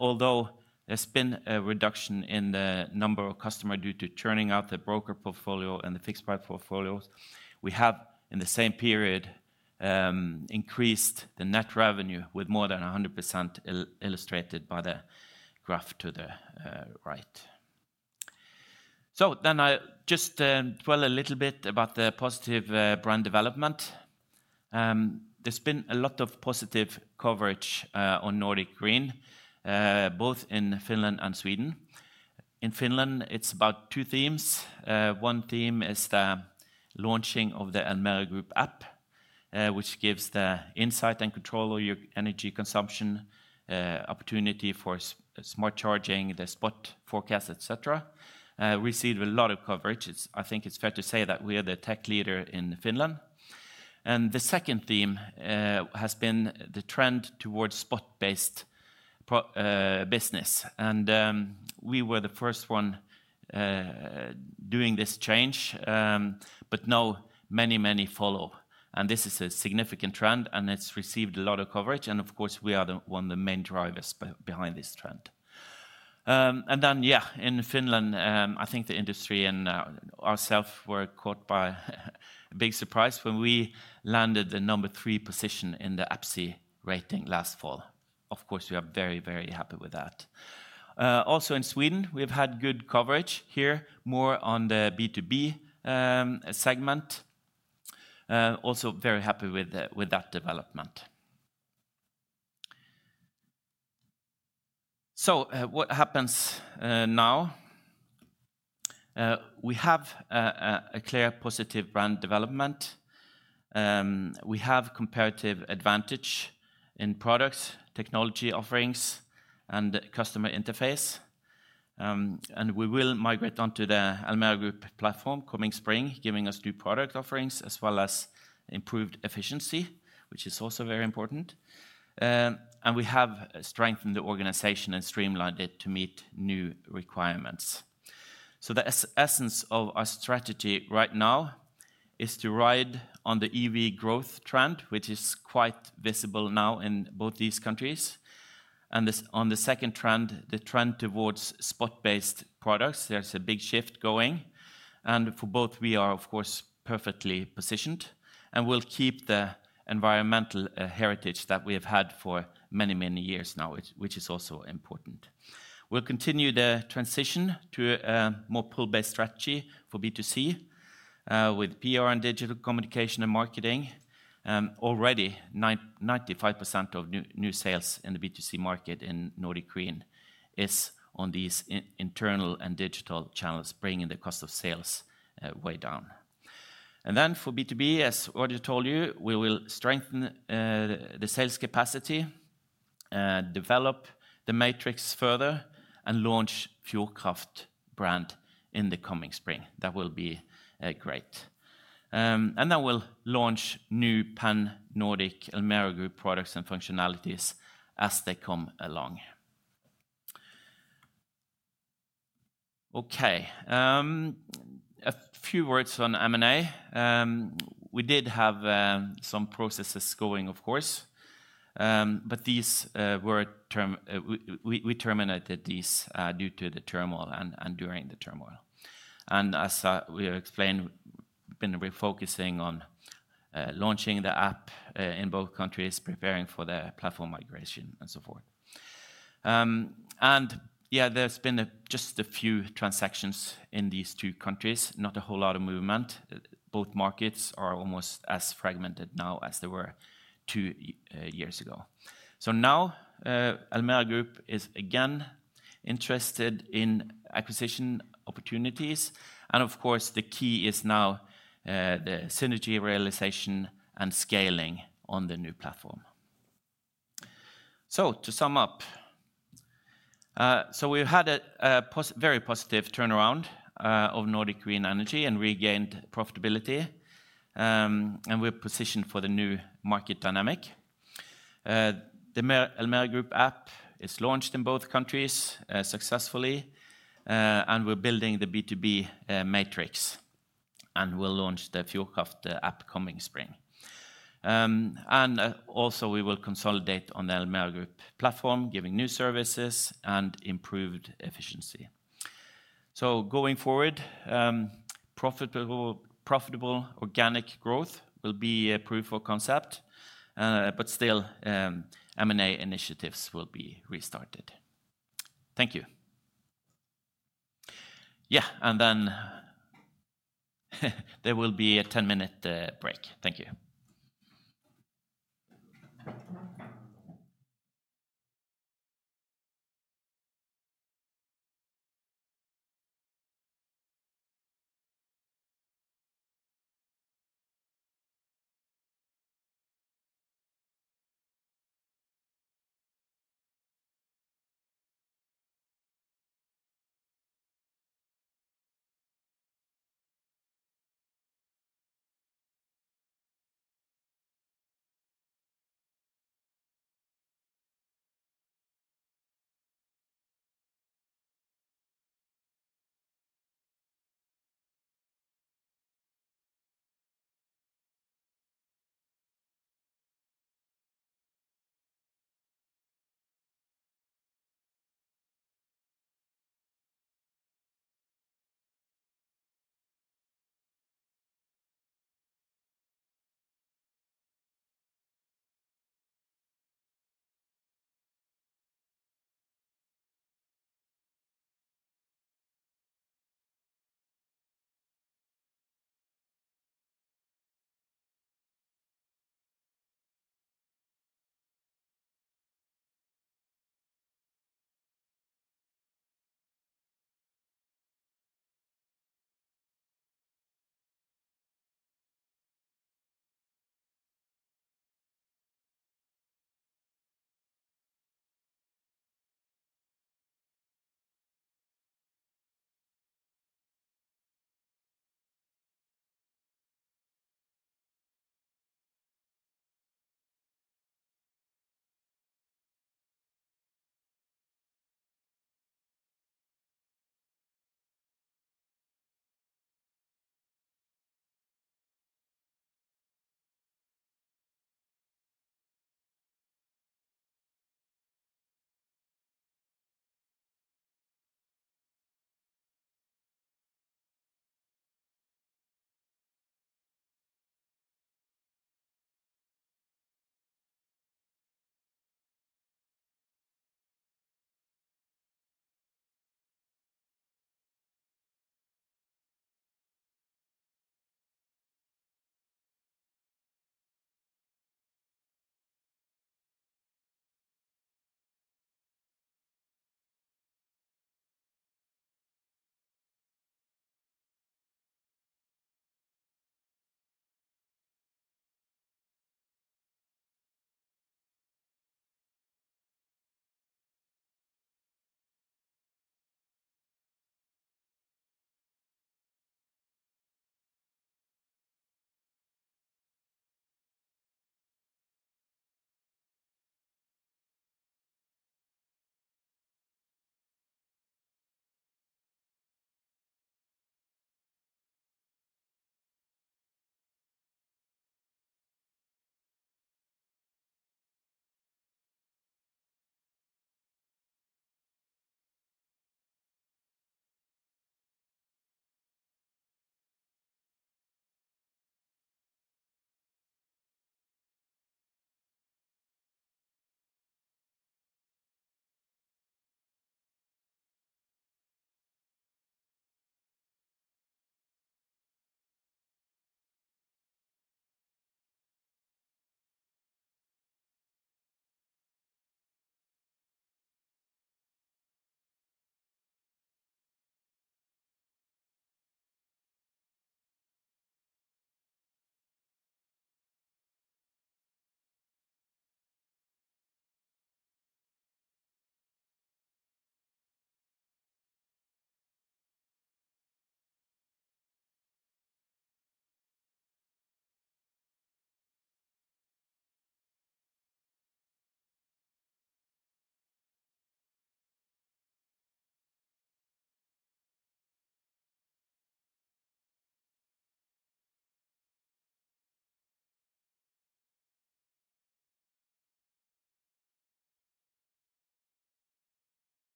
Although there's been a reduction in the number of customers due to turning out the broker portfolio and the fixed price portfolios, we have in the same period increased the net revenue with more than 100% illustrated by the graph to the right. So then I just dwell a little bit about the positive brand development. There's been a lot of positive coverage on Nordic Green, both in Finland and Sweden. In Finland, it's about two themes. One theme is the launching of the Elmera Group App, which gives the insight and control of your energy consumption opportunity for smart charging, the spot forecast, etc. We see a lot of coverage. I think it's fair to say that we are the tech leader in Finland. And the second theme has been the trend towards spot-based business. We were the first one doing this change, but now many, many follow. This is a significant trend, and it's received a lot of coverage. Of course, we are one of the main drivers behind this trend. Then, yeah, in Finland, I think the industry and ourselves were caught by a big surprise when we landed the number three position in the APSI rating last fall. Of course, we are very, very happy with that. Also in Sweden, we've had good coverage here, more on the B2B segment. Also very happy with that development. So what happens now? We have a clear positive brand development. We have a comparative advantage in products, technology offerings, and customer interface. We will migrate onto the Elmera Group platform coming spring, giving us new product offerings as well as improved efficiency, which is also very important. We have strengthened the organization and streamlined it to meet new requirements. The essence of our strategy right now is to ride on the EV growth trend, which is quite visible now in both these countries. On the second trend, the trend towards spot-based products, there's a big shift going. For both, we are, of course, perfectly positioned. We'll keep the environmental heritage that we have had for many, many years now, which is also important. We'll continue the transition to a more pull-based strategy for B2C with PR and digital communication and marketing. Already, 95% of new sales in the B2C market in Nordic Green is on these internal and digital channels, bringing the cost of sales way down. And then for B2B, as Roger told you, we will strengthen the sales capacity, develop the matrix further, and launch Fjordkraft brand in the coming spring. That will be great. And then we'll launch new pan-Nordic Elmera Group products and functionalities as they come along. Okay, a few words on M&A. We did have some processes going, of course, but these were terminated due to the turmoil and during the turmoil. And as we explained, we've been refocusing on launching the app in both countries, preparing for the platform migration, and so forth. And yeah, there's been just a few transactions in these two countries, not a whole lot of movement. Both markets are almost as fragmented now as they were two years ago. So now Elmera Group is again interested in acquisition opportunities. And of course, the key is now the synergy realization and scaling on the new platform. So to sum up, so we had a very positive turnaround of Nordic Green Energy and regained profitability. And we're positioned for the new market dynamic. The Elmera Group app is launched in both countries successfully, and we're building the B2B matrix. And we'll launch the Fjordkraft app coming spring. And also, we will consolidate on the Elmera Group platform, giving new services and improved efficiency. So going forward, profitable organic growth will be a proof of concept, but still, M&A initiatives will be restarted. Thank you. Yeah, and then there will be a 10-minute break. Thank you.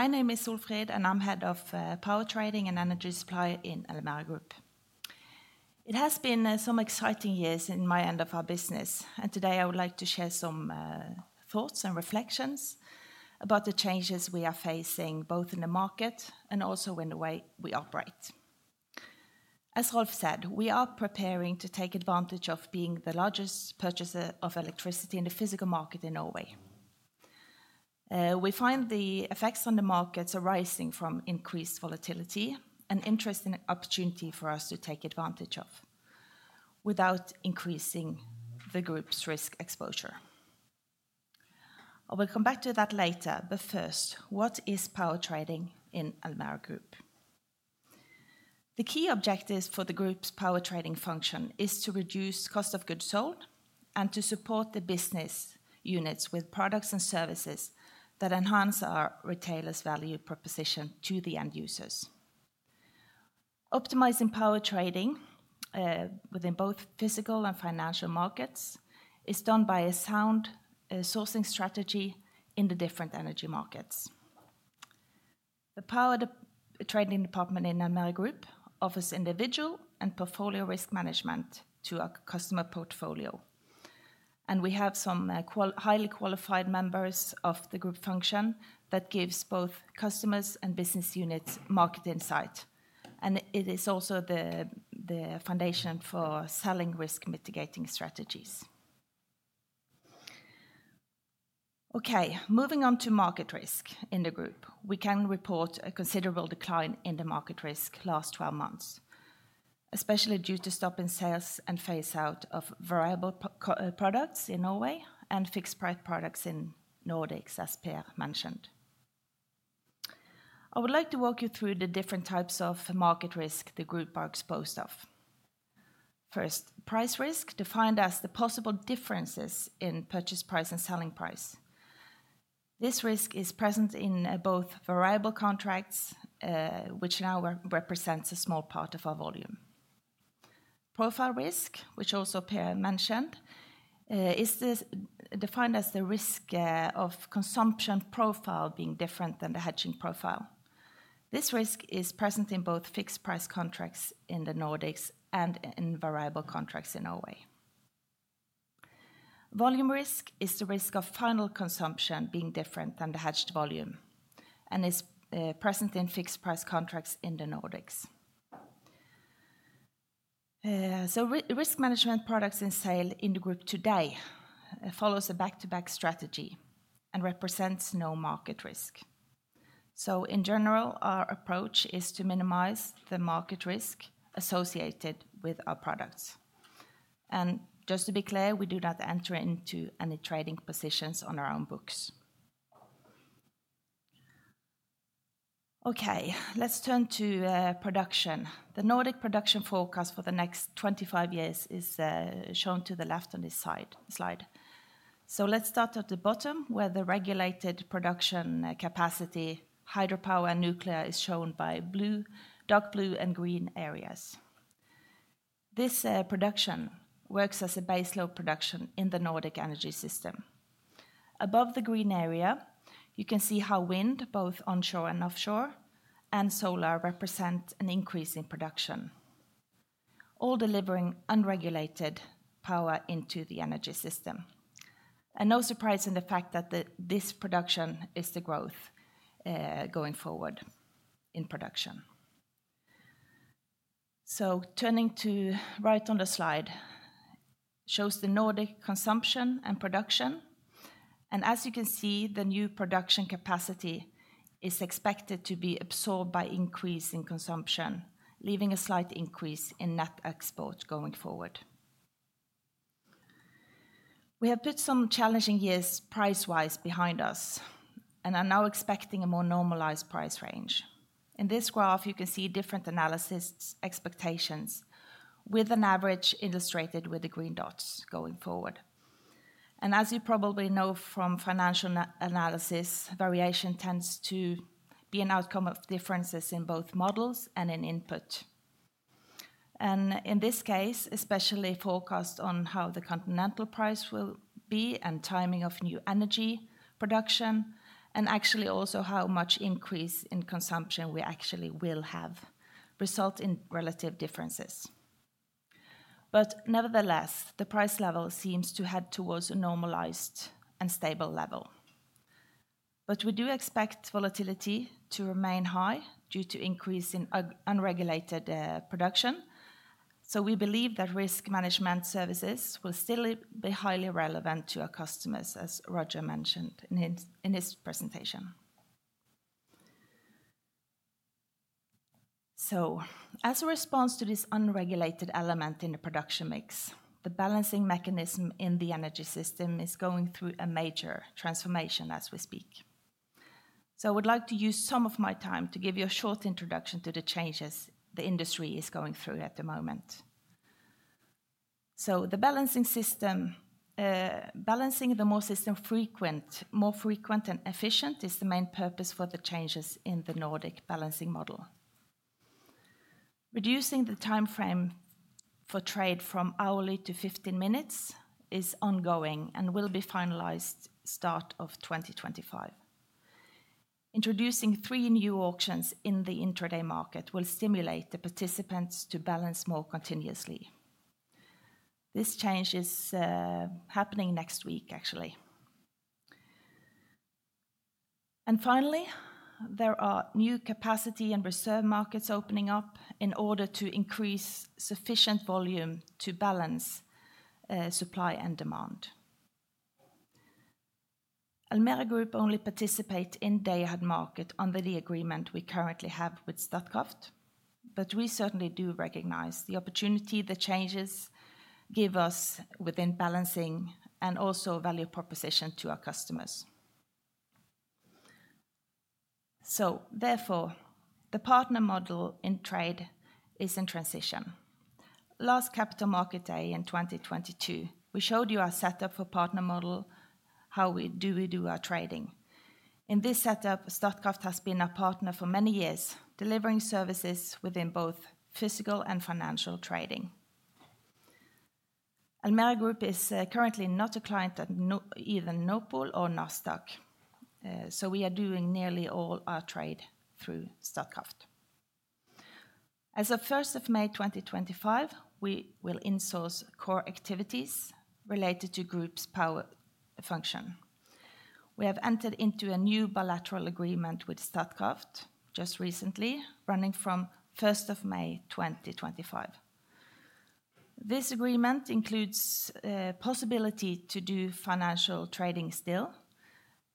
Hello, my name is Solfrid, and I'm head of power trading and energy supply in Elmera Group. It has been some exciting years in my end of our business, and today I would like to share some thoughts and reflections about the changes we are facing, both in the market and also in the way we operate. As Rolf said, we are preparing to take advantage of being the largest purchaser of electricity in the physical market in Norway. We find the effects on the markets are rising from increased volatility and interest in opportunity for us to take advantage of without increasing the group's risk exposure. I will come back to that later, but first, what is power trading in Elmera Group? The key objectives for the group's power trading function are to reduce cost of goods sold and to support the business units with products and services that enhance our retailer's value proposition to the end users. Optimizing power trading within both physical and financial markets is done by a sound sourcing strategy in the different energy markets. The power trading department in Elmera Group offers individual and portfolio risk management to our customer portfolio, and we have some highly qualified members of the group function that gives both customers and business units market insight, and it is also the foundation for selling risk mitigating strategies. Okay, moving on to market risk in the group, we can report a considerable decline in the market risk last 12 months, especially due to stopping sales and phase-out of variable products in Norway and fixed price products in Nordics, as Per mentioned. I would like to walk you through the different types of market risk the group are exposed to. First, price risk, defined as the possible differences in purchase price and selling price. This risk is present in both variable contracts, which now represents a small part of our volume. Profile risk, which also Per mentioned, is defined as the risk of consumption profile being different than the hedging profile. This risk is present in both fixed price contracts in the Nordics and in variable contracts in Norway. Volume risk is the risk of final consumption being different than the hedged volume and is present in fixed price contracts in the Nordics. Risk management products in sale in the group today follow a back-to-back strategy and represent no market risk. In general, our approach is to minimize the market risk associated with our products. Just to be clear, we do not enter into any trading positions on our own books. Okay, let's turn to production. The Nordic production forecast for the next 25 years is shown to the left on this slide. So, let's start at the bottom, where the regulated production capacity, hydropower and nuclear, is shown by blue, dark blue, and green areas. This production works as a baseload production in the Nordic energy system. Above the green area, you can see how wind, both onshore and offshore, and solar represent an increase in production, all delivering unregulated power into the energy system. And no surprise in the fact that this production is the growth going forward in production. So, turning to the right on the slide shows the Nordic consumption and production, and as you can see, the new production capacity is expected to be absorbed by increasing consumption, leaving a slight increase in net export going forward. We have put some challenging years price-wise behind us, and I'm now expecting a more normalized price range. In this graph, you can see different analysis expectations with an average illustrated with the green dots going forward. As you probably know from financial analysis, variation tends to be an outcome of differences in both models and in input. In this case, especially forecast on how the continental price will be and timing of new energy production, and actually also how much increase in consumption we actually will have results in relative differences. Nevertheless, the price level seems to head towards a normalized and stable level. We do expect volatility to remain high due to increasing unregulated production. We believe that risk management services will still be highly relevant to our customers, as Roger mentioned in his presentation. As a response to this unregulated element in the production mix, the balancing mechanism in the energy system is going through a major transformation as we speak. I would like to use some of my time to give you a short introduction to the changes the industry is going through at the moment. Balancing the system more frequently and efficiently is the main purpose for the changes in the Nordic balancing model. Reducing the timeframe for trade from hourly to 15 minutes is ongoing and will be finalized start of 2025. Introducing three new auctions in the intraday market will stimulate the participants to balance more continuously. This change is happening next week, actually. Finally, there are new capacity and reserve markets opening up in order to increase sufficient volume to balance supply and demand. Elmera Group only participates in day-ahead market under the agreement we currently have with Statkraft, but we certainly do recognize the opportunity the changes give us within balancing and also value proposition to our customers. So, therefore, the partner model in trade is in transition. Last capital market day in 2022, we showed you our setup for partner model, how we do our trading. In this setup, Statkraft has been a partner for many years, delivering services within both physical and financial trading. Elmera Group is currently not a client of either Nord Pool or NASDAQ, so we are doing nearly all our trade through Statkraft. As of May 1st, 2025, we will insource core activities related to group's power function. We have entered into a new bilateral agreement with Statkraft just recently, running from May 1st, 2025. This agreement includes the possibility to do financial trading still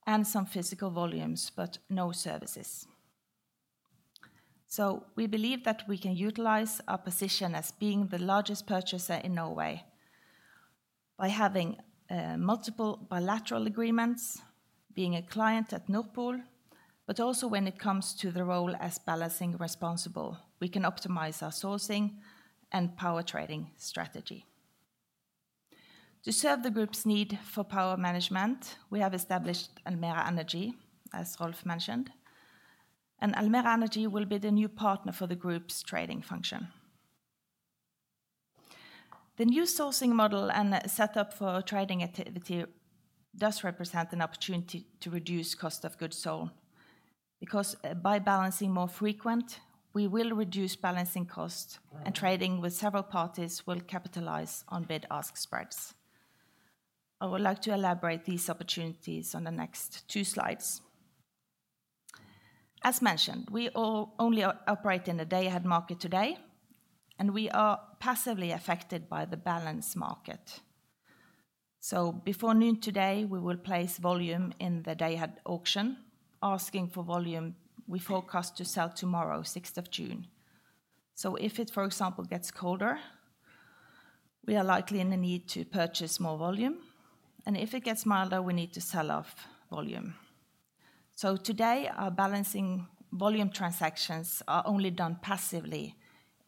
and some physical volumes, but no services. So, we believe that we can utilize our position as being the largest purchaser in Norway by having multiple bilateral agreements, being a client at Nord Pool, but also when it comes to the role as balancing responsible, we can optimize our sourcing and power trading strategy. To serve the group's need for power management, we have established Elmera Energy, as Rolf mentioned, and Elmera Energy will be the new partner for the group's trading function. The new sourcing model and setup for trading activity does represent an opportunity to reduce cost of goods sold because by balancing more frequent, we will reduce balancing costs and trading with several parties will capitalize on bid-ask spreads. I would like to elaborate these opportunities on the next two slides. As mentioned, we only operate in the day-ahead market today, and we are passively affected by the balancing market. So, before noon today, we will place volume in the day-ahead auction, asking for volume. We forecast to sell tomorrow, June 6th. So, if it, for example, gets colder, we are likely in the need to purchase more volume, and if it gets milder, we need to sell off volume. So, today, our balancing volume transactions are only done passively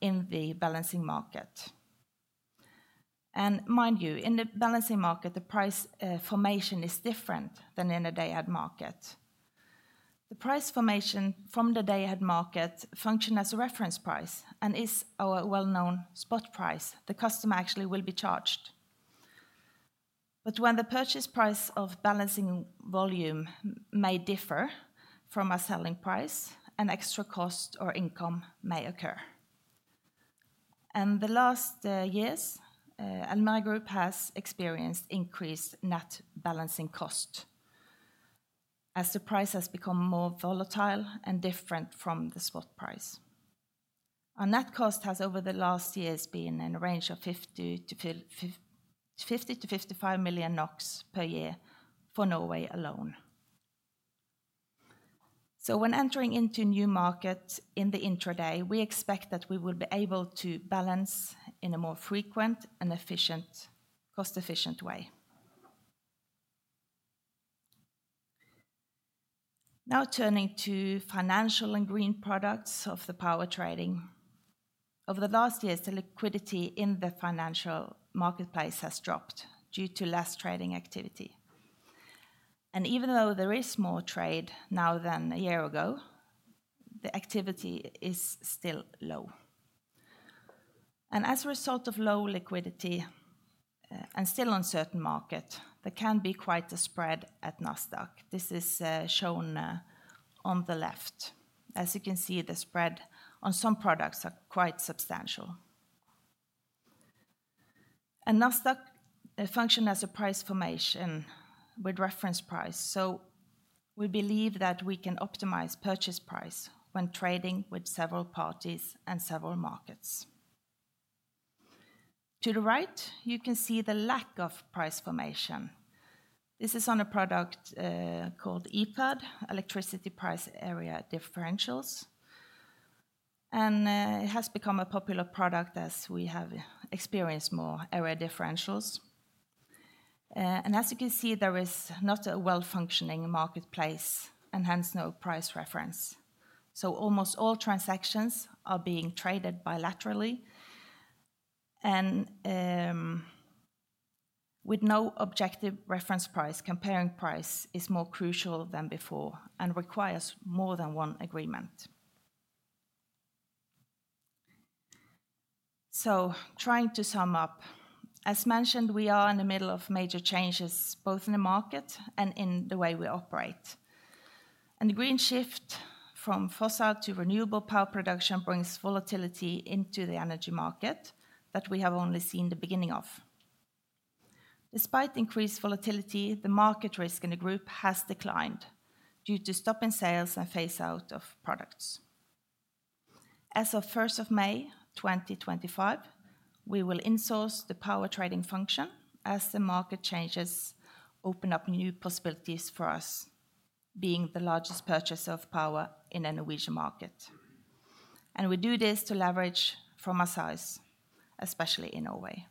in the balancing market. And mind you, in the balancing market, the price formation is different than in a day-ahead market. The price formation from the day-ahead market functions as a reference price and is our well-known spot price. The customer actually will be charged. But when the purchase price of balancing volume may differ from our selling price, an extra cost or income may occur. In the last years, Elmera Group has experienced increased net balancing cost as the price has become more volatile and different from the spot price. Our net cost has over the last years been in a range of 50 million-55 million NOK per year for Norway alone. So, when entering into new markets in the intraday, we expect that we will be able to balance in a more frequent and efficient, cost-efficient way. Now turning to financial and green products of the power trading. Over the last years, the liquidity in the financial marketplace has dropped due to less trading activity. And even though there is more trade now than a year ago, the activity is still low. And as a result of low liquidity and still uncertain market, there can be quite a spread at NASDAQ. This is shown on the left. As you can see, the spread on some products is quite substantial. NASDAQ functions as a price formation with reference price. We believe that we can optimize purchase price when trading with several parties and several markets. To the right, you can see the lack of price formation. This is on a product called EPAD, Electricity Price Area Differentials. It has become a popular product as we have experienced more area differentials. As you can see, there is not a well-functioning marketplace and hence no price reference. Almost all transactions are being traded bilaterally and with no objective reference price. Comparing price is more crucial than before and requires more than one agreement. Trying to sum up, as mentioned, we are in the middle of major changes both in the market and in the way we operate. And the green shift from fossil to renewable power production brings volatility into the energy market that we have only seen the beginning of. Despite increased volatility, the market risk in the group has declined due to stopping sales and phase-out of products. As of May 1st, 2025, we will insource the power trading function as the market changes open up new possibilities for us being the largest purchaser of power in the Norwegian market. And we do this to leverage from our size, especially in Norway.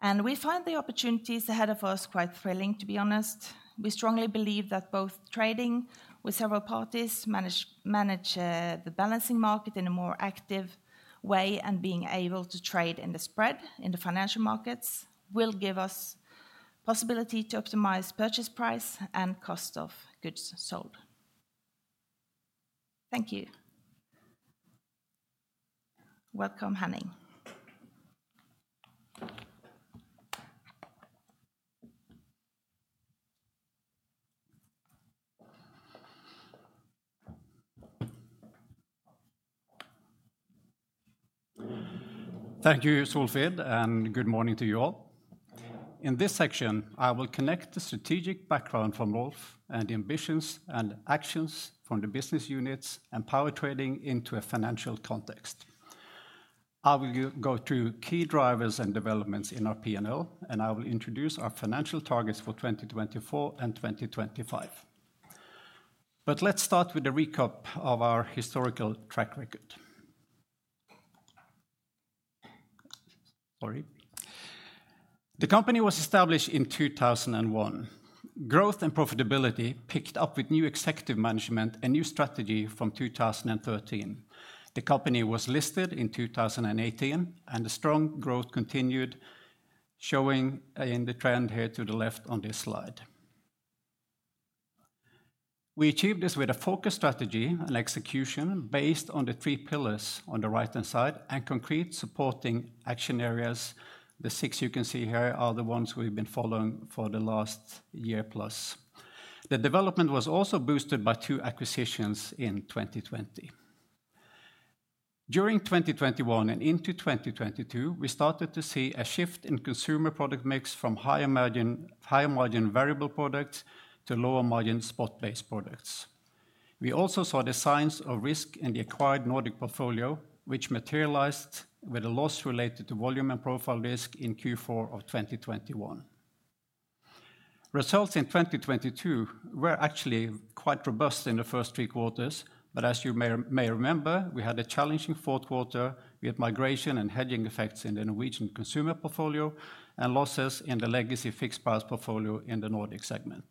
And we find the opportunities ahead of us quite thrilling, to be honest. We strongly believe that both trading with several parties manage the balancing market in a more active way and being able to trade in the spread in the financial markets will give us the possibility to optimize purchase price and cost of goods sold. Thank you. Welcome, Henning. Thank you, Solfrid, and good morning to you all. In this section, I will connect the strategic background from Rolf and the ambitions and actions from the business units and power trading into a financial context. I will go through key drivers and developments in our P&L, and I will introduce our financial targets for 2024 and 2025. Let's start with a recap of our historical track record. Sorry. The company was established in 2001. Growth and profitability picked up with new executive management and new strategy from 2013. The company was listed in 2018, and the strong growth continued, showing in the trend here to the left on this slide. We achieved this with a focused strategy and execution based on the three pillars on the right-hand side and concrete supporting action areas. The 6 you can see here are the ones we've been following for the last year plus. The development was also boosted by 2 acquisitions in 2020. During 2021 and into 2022, we started to see a shift in consumer product mix from higher margin variable products to lower margin spot-based products. We also saw the signs of risk in the acquired Nordic portfolio, which materialized with a loss related to volume and profile risk in Q4 of 2021. Results in 2022 were actually quite robust in the first three quarters, but as you may remember, we had a challenging Q4. We had migration and hedging effects in the Norwegian consumer portfolio and losses in the legacy fixed price portfolio in the Nordic segment.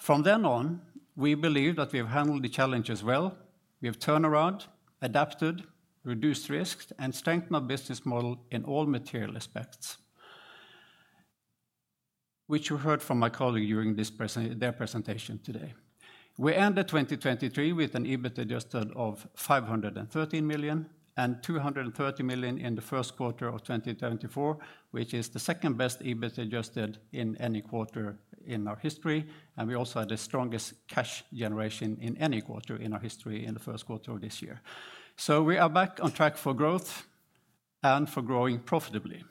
From then on, we believe that we have handled the challenges well. We have turned around, adapted, reduced risks, and strengthened our business model in all material aspects, which you heard from my colleague during their presentation today. We ended 2023 with an EBIT adjusted of 513 million and 230 million in the Q1 of 2024, which is the second best EBIT adjusted in any quarter in our history. We also had the strongest cash generation in any quarter in our history in the Q1 of this year. So, we are back on track for growth and for growing profitably.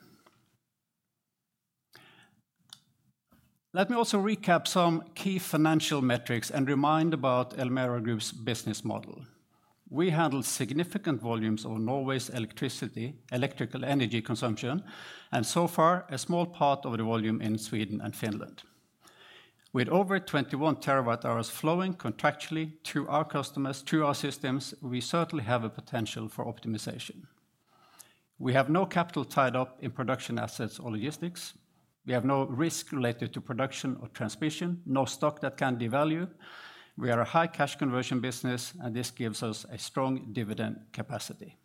Let me also recap some key financial metrics and remind about Elmera Group's business model. We handle significant volumes of Norway's electricity, electrical energy consumption, and so far a small part of the volume in Sweden and Finland. With over 21 TWh flowing contractually to our customers, to our systems, we certainly have a potential for optimization. We have no capital tied up in production assets or logistics. We have no risk related to production or transmission, no stock that can devalue. We are a high cash conversion business, and this gives us a strong dividend capacity.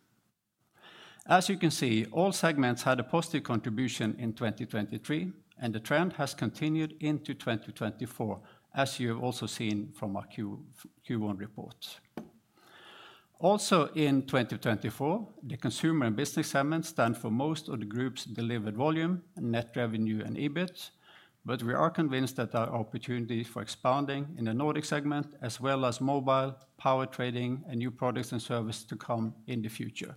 As you can see, all segments had a positive contribution in 2023, and the trend has continued into 2024, as you have also seen from our Q1 reports. Also, in 2024, the consumer and business segments stand for most of the group's delivered volume, net revenue, and EBIT, but we are convinced that there are opportunities for expanding in the Nordic segment, as well as mobile, power trading, and new products and services to come in the future.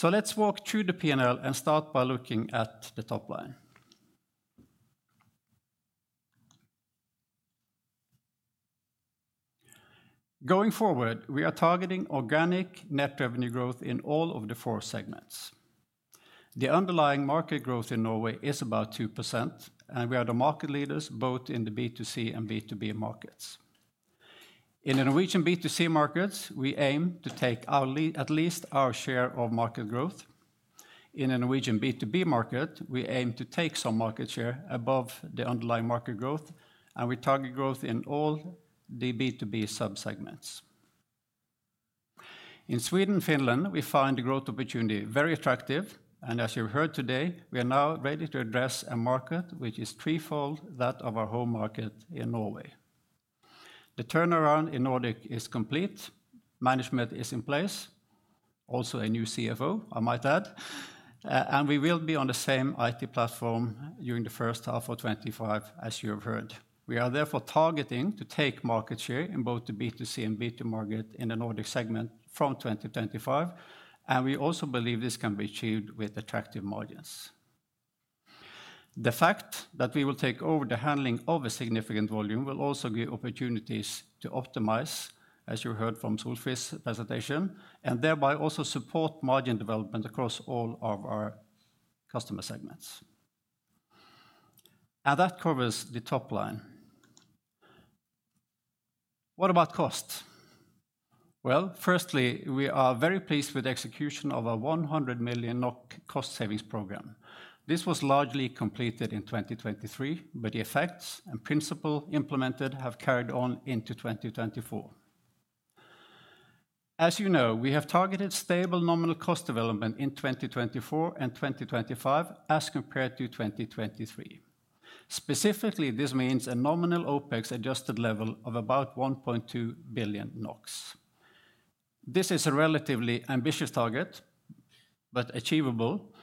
So, let's walk through the P&L and start by looking at the top line. Going forward, we are targeting organic net revenue growth in all of the four segments. The underlying market growth in Norway is about 2%, and we are the market leaders both in the B2C and B2B markets. In the Norwegian B2C markets, we aim to take at least our share of market growth. In the Norwegian B2B market, we aim to take some market share above the underlying market growth, and we target growth in all the B2B subsegments. In Sweden and Finland, we find the growth opportunity very attractive, and as you've heard today, we are now ready to address a market which is threefold that of our home market in Norway. The turnaround in Nordic is complete. Management is in place, also a new CFO, I might add, and we will be on the same IT platform during the H1 of 2025, as you have heard. We are therefore targeting to take market share in both the B2C and B2B market in the Nordic segment from 2025, and we also believe this can be achieved with attractive margins. The fact that we will take over the handling of a significant volume will also give opportunities to optimize, as you heard from Solveig's presentation, and thereby also support margin development across all of our customer segments. That covers the top line. What about cost? Well, firstly, we are very pleased with the execution of a 100 million NOK cost savings program. This was largely completed in 2023, but the effects and principles implemented have carried on into 2024. As you know, we have targeted stable nominal cost development in 2024 and 2025 as compared to 2023. Specifically, this means a nominal OPEX adjusted level of about 1.2 billion NOK. This is a relatively ambitious target, but achievable,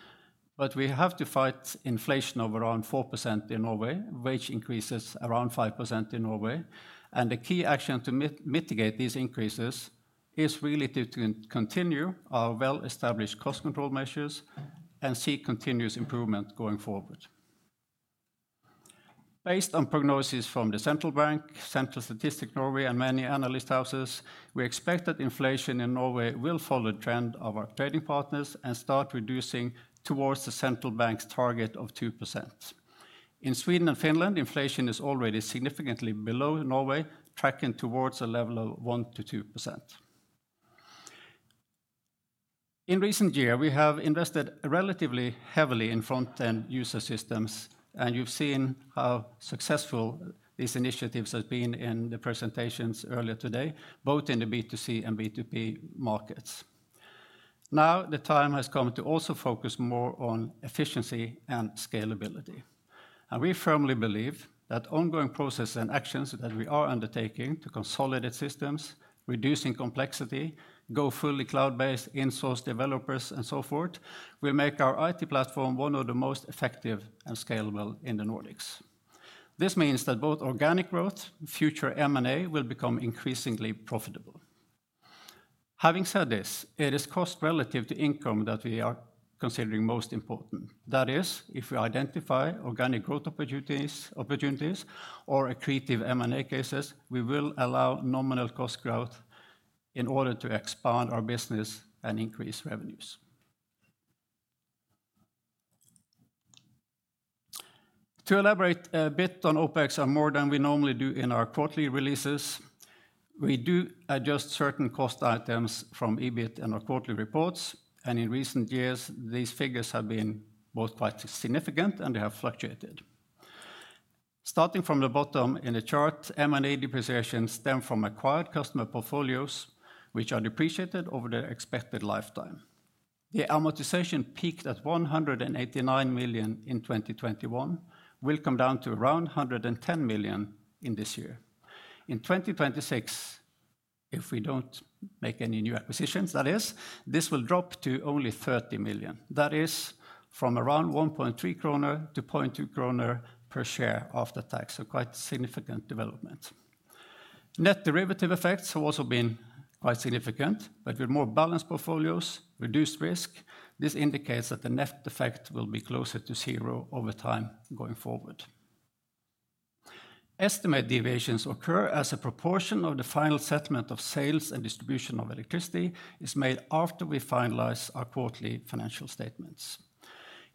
but we have to fight inflation of around 4% in Norway, wage increases around 5% in Norway, and the key action to mitigate these increases is really to continue our well-established cost control measures and see continuous improvement going forward. Based on prognosis from the Central Bank, Statistics Norway, and many analyst houses, we expect that inflation in Norway will follow the trend of our trading partners and start reducing towards the Central Bank's target of 2%. In Sweden and Finland, inflation is already significantly below Norway, tracking towards a level of 1%-2%. In recent years, we have invested relatively heavily in front-end user systems, and you've seen how successful these initiatives have been in the presentations earlier today, both in the B2C and B2P markets. Now, the time has come to also focus more on efficiency and scalability. And we firmly believe that ongoing processes and actions that we are undertaking to consolidate systems, reducing complexity, go fully cloud-based, insource developers, and so forth, will make our IT platform one of the most effective and scalable in the Nordics. This means that both organic growth and future M&A will become increasingly profitable. Having said this, it is cost relative to income that we are considering most important. That is, if we identify organic growth opportunities or accretive M&A cases, we will allow nominal cost growth in order to expand our business and increase revenues. To elaborate a bit on OPEX and more than we normally do in our quarterly releases, we do adjust certain cost items from EBIT in our quarterly reports, and in recent years, these figures have been both quite significant and they have fluctuated. Starting from the bottom in the chart, M&A depreciation stems from acquired customer portfolios, which are depreciated over the expected lifetime. The amortization peaked at 189 million in 2021, will come down to around 110 million in this year. In 2026, if we don't make any new acquisitions, that is, this will drop to only 30 million. That is, from around 1.3 kroner to 0.2 kroner per share after tax, so quite significant development. Net derivative effects have also been quite significant, but with more balanced portfolios, reduced risk. This indicates that the net effect will be closer to zero over time going forward. Estimate deviations occur as a proportion of the final settlement of sales and distribution of electricity is made after we finalize our quarterly financial statements.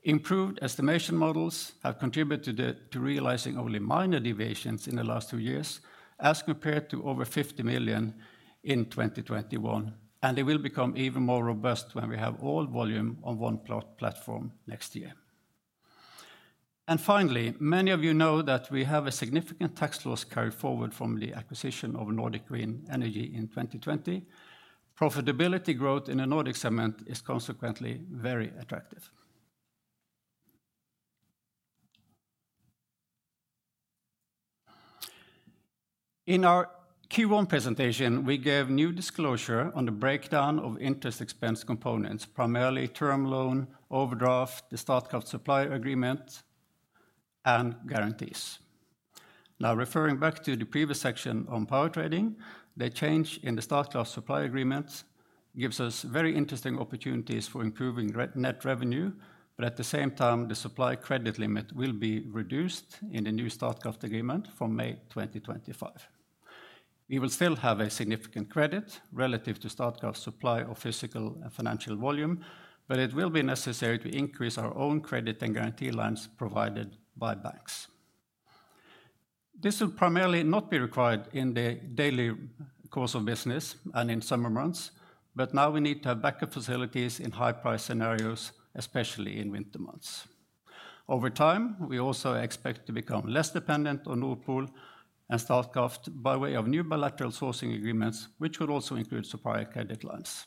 Improved estimation models have contributed to realizing only minor deviations in the last two years as compared to over 50 million in 2021, and they will become even more robust when we have all volume on one platform next year. Finally, many of you know that we have a significant tax loss carried forward from the acquisition of Nordic Green Energy in 2020. Profitability growth in the Nordic segment is consequently very attractive. In our Q1 presentation, we gave new disclosure on the breakdown of interest expense components, primarily term loan, overdraft, the start cost supply agreement, and guarantees. Now, referring back to the previous section on power trading, the change in the start cost supply agreement gives us very interesting opportunities for improving net revenue, but at the same time, the supply credit limit will be reduced in the new start cost agreement from May 2025. We will still have a significant credit relative to Statkraft supply of physical and financial volume, but it will be necessary to increase our own credit and guarantee lines provided by banks. This will primarily not be required in the daily course of business and in summer months, but now we need to have backup facilities in high price scenarios, especially in winter months. Over time, we also expect to become less dependent on Nord Pool and Statkraft by way of new bilateral sourcing agreements, which would also include supplier credit lines.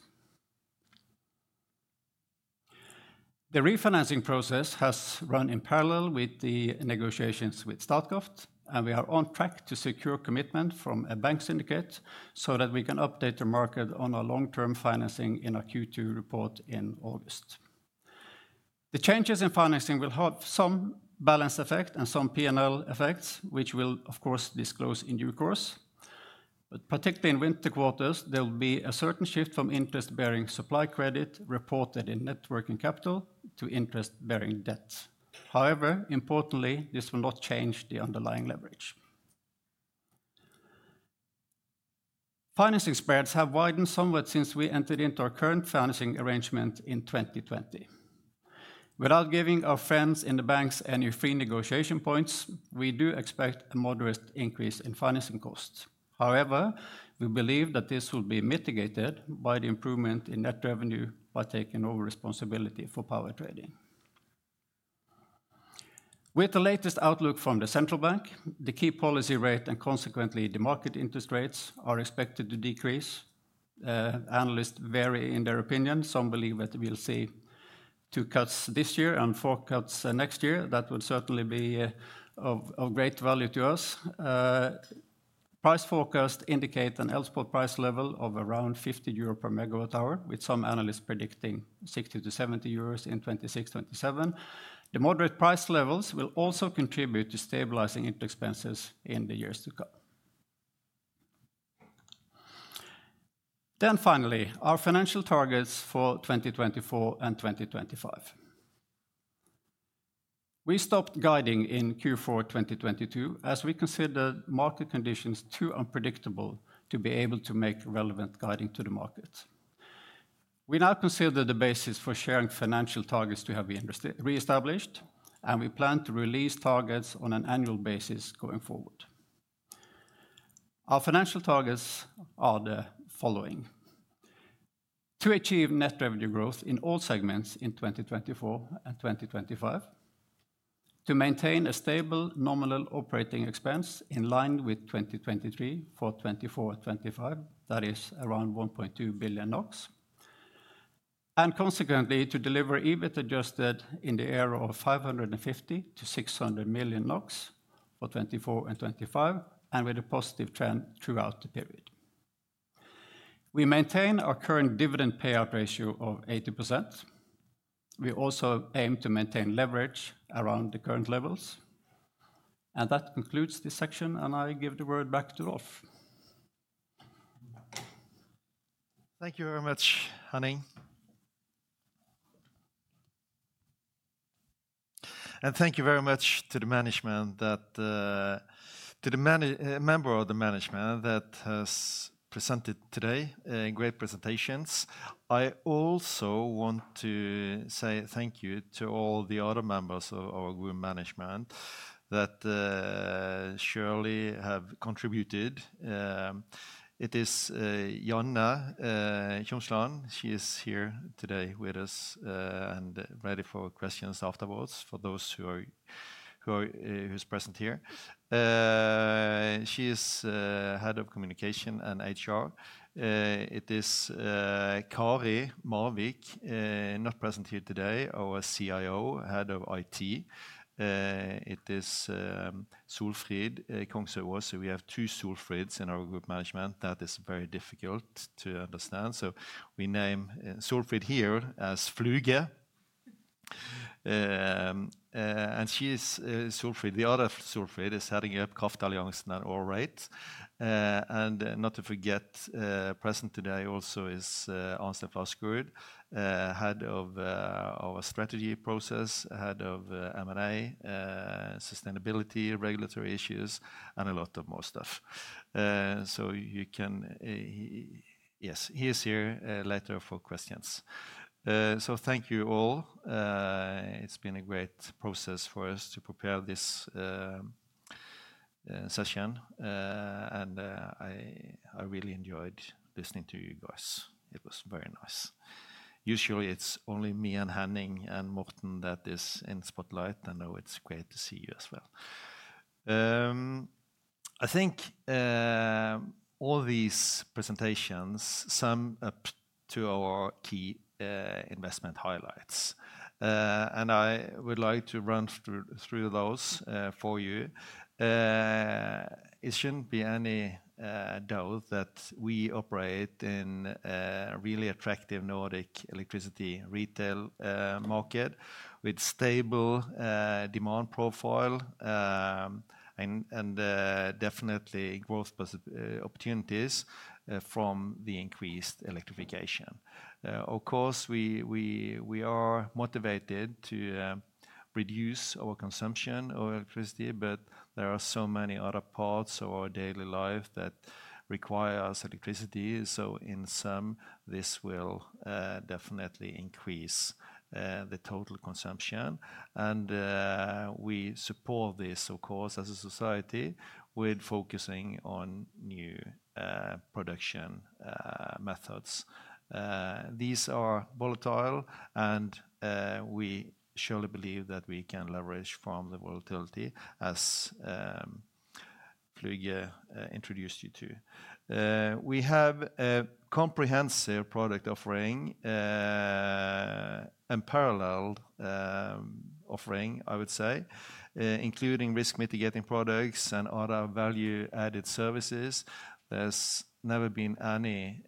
The refinancing process has run in parallel with the negotiations with Statkraft, and we are on track to secure commitment from a bank syndicate so that we can update the market on our long-term financing in our Q2 report in August. The changes in financing will have some balance sheet effect and some P&L effects, which we'll, of course, disclose in due course. But particularly in winter quarters, there will be a certain shift from interest-bearing supply credit reported in net working capital to interest-bearing debt. However, importantly, this will not change the underlying leverage. Financing spreads have widened somewhat since we entered into our current financing arrangement in 2020. Without giving our friends in the banks any free negotiation points, we do expect a moderate increase in financing costs. However, we believe that this will be mitigated by the improvement in net revenue, partaking in our responsibility for power trading. With the latest outlook from the Central Bank, the key policy rate and consequently the market interest rates are expected to decrease. Analysts vary in their opinion. Some believe that we'll see 2 cuts this year and 4 cuts next year. That would certainly be of great value to us. Price forecasts indicate an Elspot price level of around 50 euro per MWh, with some analysts predicting 60-70 euros in 2026-2027. The moderate price levels will also contribute to stabilizing into expenses in the years to come. Then finally, our financial targets for 2024 and 2025. We stopped guiding in Q4 2022 as we considered market conditions too unpredictable to be able to make relevant guiding to the market. We now consider the basis for sharing financial targets to have reestablished, and we plan to release targets on an annual basis going forward. Our financial targets are the following: to achieve net revenue growth in all segments in 2024 and 2025, to maintain a stable nominal operating expense in line with 2023 for 2024-2025, that is around 1.2 billion NOK, and consequently to deliver EBIT adjusted in the area of 550-600 million NOK for 2024 and 2025, and with a positive trend throughout the period. We maintain our current dividend payout ratio of 80%. We also aim to maintain leverage around the current levels. And that concludes this section, and I give the word back to Rolf. Thank you very much, Henning. And thank you very much to the management, to the member of the management that has presented today in great presentations. I also want to say thank you to all the other members of our group management that surely have contributed. It is Jeanne Tjomsland. She is here today with us and ready for questions afterwards for those who are present here. She is head of communication and HR. It is Kari Marvik, not present here today, our CIO, head of IT. It is Solfrid Fluge Andersen. We have two Solfrids in our group management. That is very difficult to understand. So we name Solfrid here as Fluge. And she is Solfrid. The other Solfrid is heading up Kraftalliansen and AllRate. And not to forget, present today also is Arnstein Flaskerud, head of our strategy process, head of M&A, sustainability, regulatory issues, and a lot more stuff. So you can, yes, he is here, later for questions. So thank you all. It's been a great process for us to prepare this session. And I really enjoyed listening to you guys. It was very nice. Usually, it's only me and Henning and Morten that's in the spotlight. I know it's great to see you as well. I think all these presentations sum up to our key investment highlights. And I would like to run through those for you. It shouldn't be any doubt that we operate in a really attractive Nordic electricity retail market with stable demand profile and definitely growth opportunities from the increased electrification. Of course, we are motivated to reduce our consumption of electricity, but there are so many other parts of our daily life that require us electricity. So in sum, this will definitely increase the total consumption. And we support this, of course, as a society with focusing on new production methods. These are volatile, and we surely believe that we can leverage from the volatility as Fluge introduced you to. We have a comprehensive product offering, a parallel offering, I would say, including risk mitigating products and other value-added services. There's never been any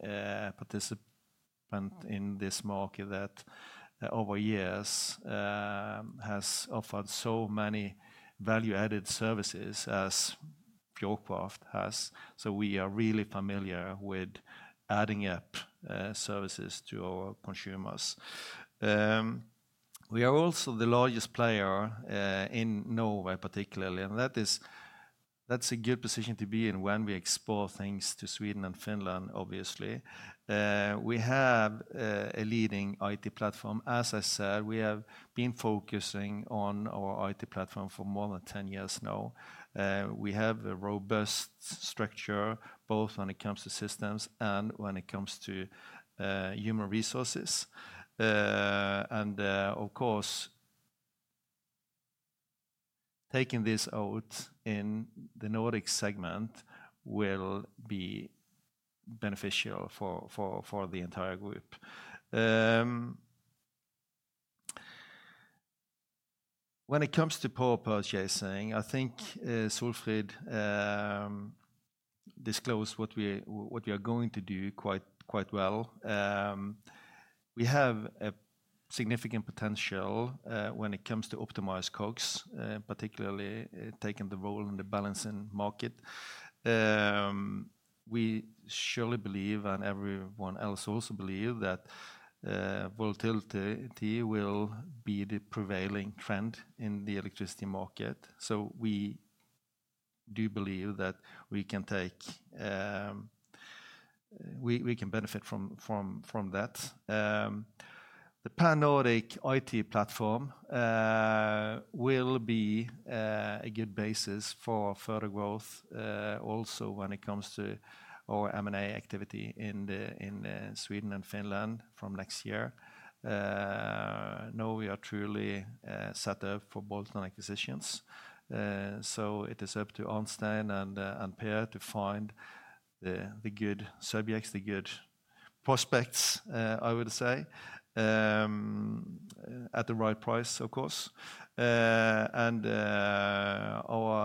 participant in this market that over years has offered so many value-added services as Fjordkraft has. So we are really familiar with adding up services to our consumers. We are also the largest player in Norway, particularly, and that's a good position to be in when we export things to Sweden and Finland, obviously. We have a leading IT platform. As I said, we have been focusing on our IT platform for more than 10 years now. We have a robust structure, both when it comes to systems and when it comes to human resources. And of course, taking this out in the Nordic segment will be beneficial for the entire group. When it comes to power purchasing, I think Solfrid disclosed what we are going to do quite well. We have a significant potential when it comes to optimized COGS, particularly taking the role in the balancing market. We surely believe, and everyone else also believes, that volatility will be the prevailing trend in the electricity market. So we do believe that we can benefit from that. The Pan Nordic IT platform will be a good basis for further growth, also when it comes to our M&A activity in Sweden and Finland from next year. Norway are truly set up for bolt-on acquisitions. So it is up to Ernst & Young and Pareto to find the good subjects, the good prospects, I would say, at the right price, of course. Our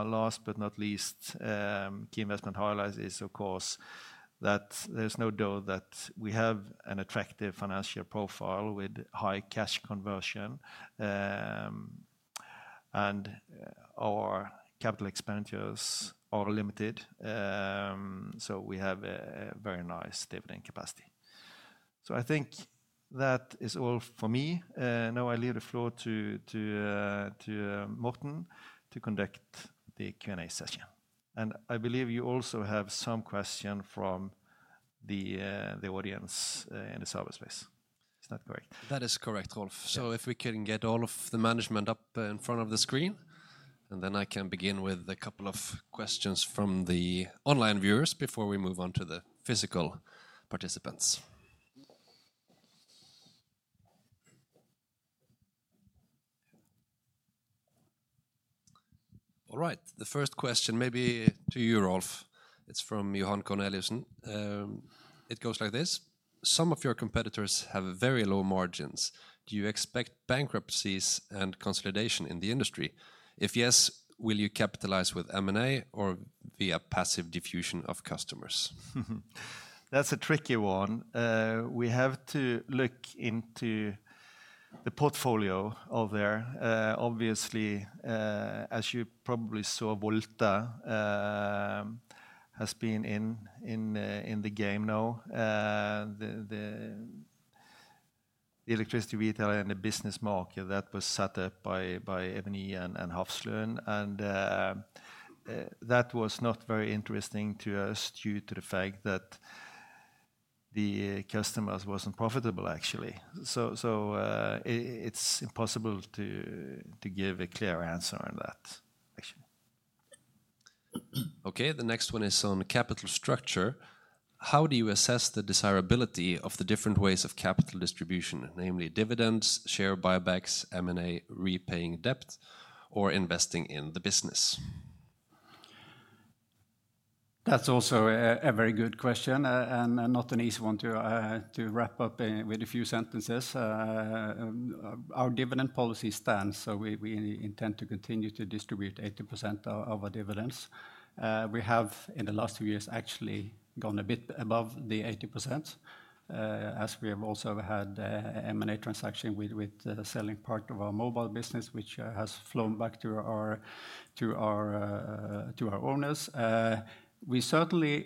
last but not least key investment highlight is, of course, that there's no doubt that we have an attractive financial profile with high cash conversion, and our capital expenditures are limited. We have a very nice dividend capacity. I think that is all for me. Now I leave the floor to Morten to conduct the Q&A session. I believe you also have some question from the audience in the cyberspace. Is that correct? That is correct, Rolf. If we can get all of the management up in front of the screen, and then I can begin with a couple of questions from the online viewers before we move on to the physical participants. All right, the first question may be to you, Rolf. It's from Johan Corneliusen. It goes like this: Some of your competitors have very low margins. Do you expect bankruptcies and consolidation in the industry? If yes, will you capitalize with M&A or via passive diffusion of customers? That's a tricky one. We have to look into the portfolio over there. Obviously, as you probably saw, Volte has been in the game now. The electricity retail and the business market that was set up by Eviny and Hafslund. And that was not very interesting to us due to the fact that the customers weren't profitable, actually. So it's impossible to give a clear answer on that, actually. Okay, the next one is on capital structure. How do you assess the desirability of the different ways of capital distribution, namely dividends, share buybacks, M&A, repaying debt, or investing in the business? That's also a very good question and not an easy one to wrap up with a few sentences. Our dividend policy stands, so we intend to continue to distribute 80% of our dividends. We have, in the last few years, actually gone a bit above the 80%, as we have also had an M&A transaction with selling part of our mobile business, which has flown back to our owners. We certainly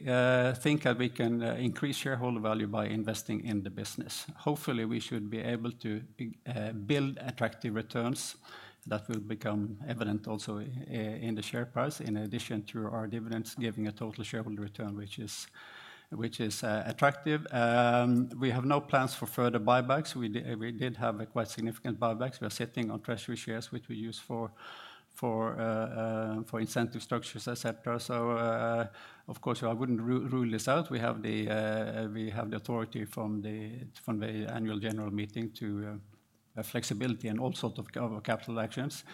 think that we can increase shareholder value by investing in the business. Hopefully, we should be able to build attractive returns that will become evident also in the share price, in addition to our dividends giving a total shareholder return, which is attractive. We have no plans for further buybacks. We did have quite significant buybacks. We are sitting on treasury shares, which we use for incentive structures, etc. So, of course, I wouldn't rule this out. We have the authority from the annual general meeting to have flexibility in all sorts of capital actions.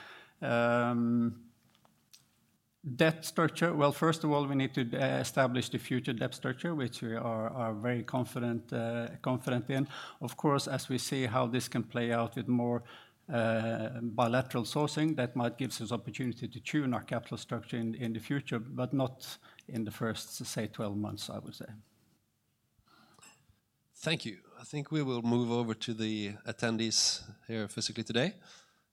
Debt structure, well, first of all, we need to establish the future debt structure, which we are very confident in. Of course, as we see how this can play out with more bilateral sourcing, that might give us an opportunity to tune our capital structure in the future, but not in the first, say, 12 months, I would say. Thank you. I think we will move over to the attendees here physically today.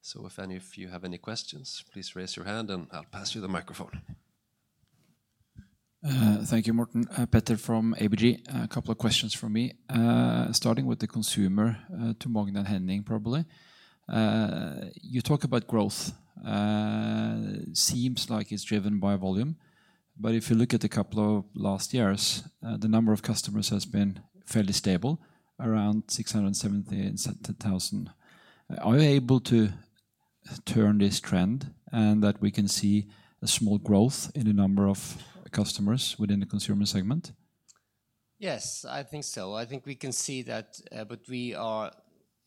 So if any of you have any questions, please raise your hand and I'll pass you the microphone. Thank you, Morten. Petter from ABG, a couple of questions from me, starting with the consumer to Magnar, probably. You talk about growth. It seems like it's driven by volume. But if you look at a couple of last years, the number of customers has been fairly stable, around 670,000. Are you able to turn this trend and that we can see a small growth in the number of customers within the consumer segment? Yes, I think so. I think we can see that, but we are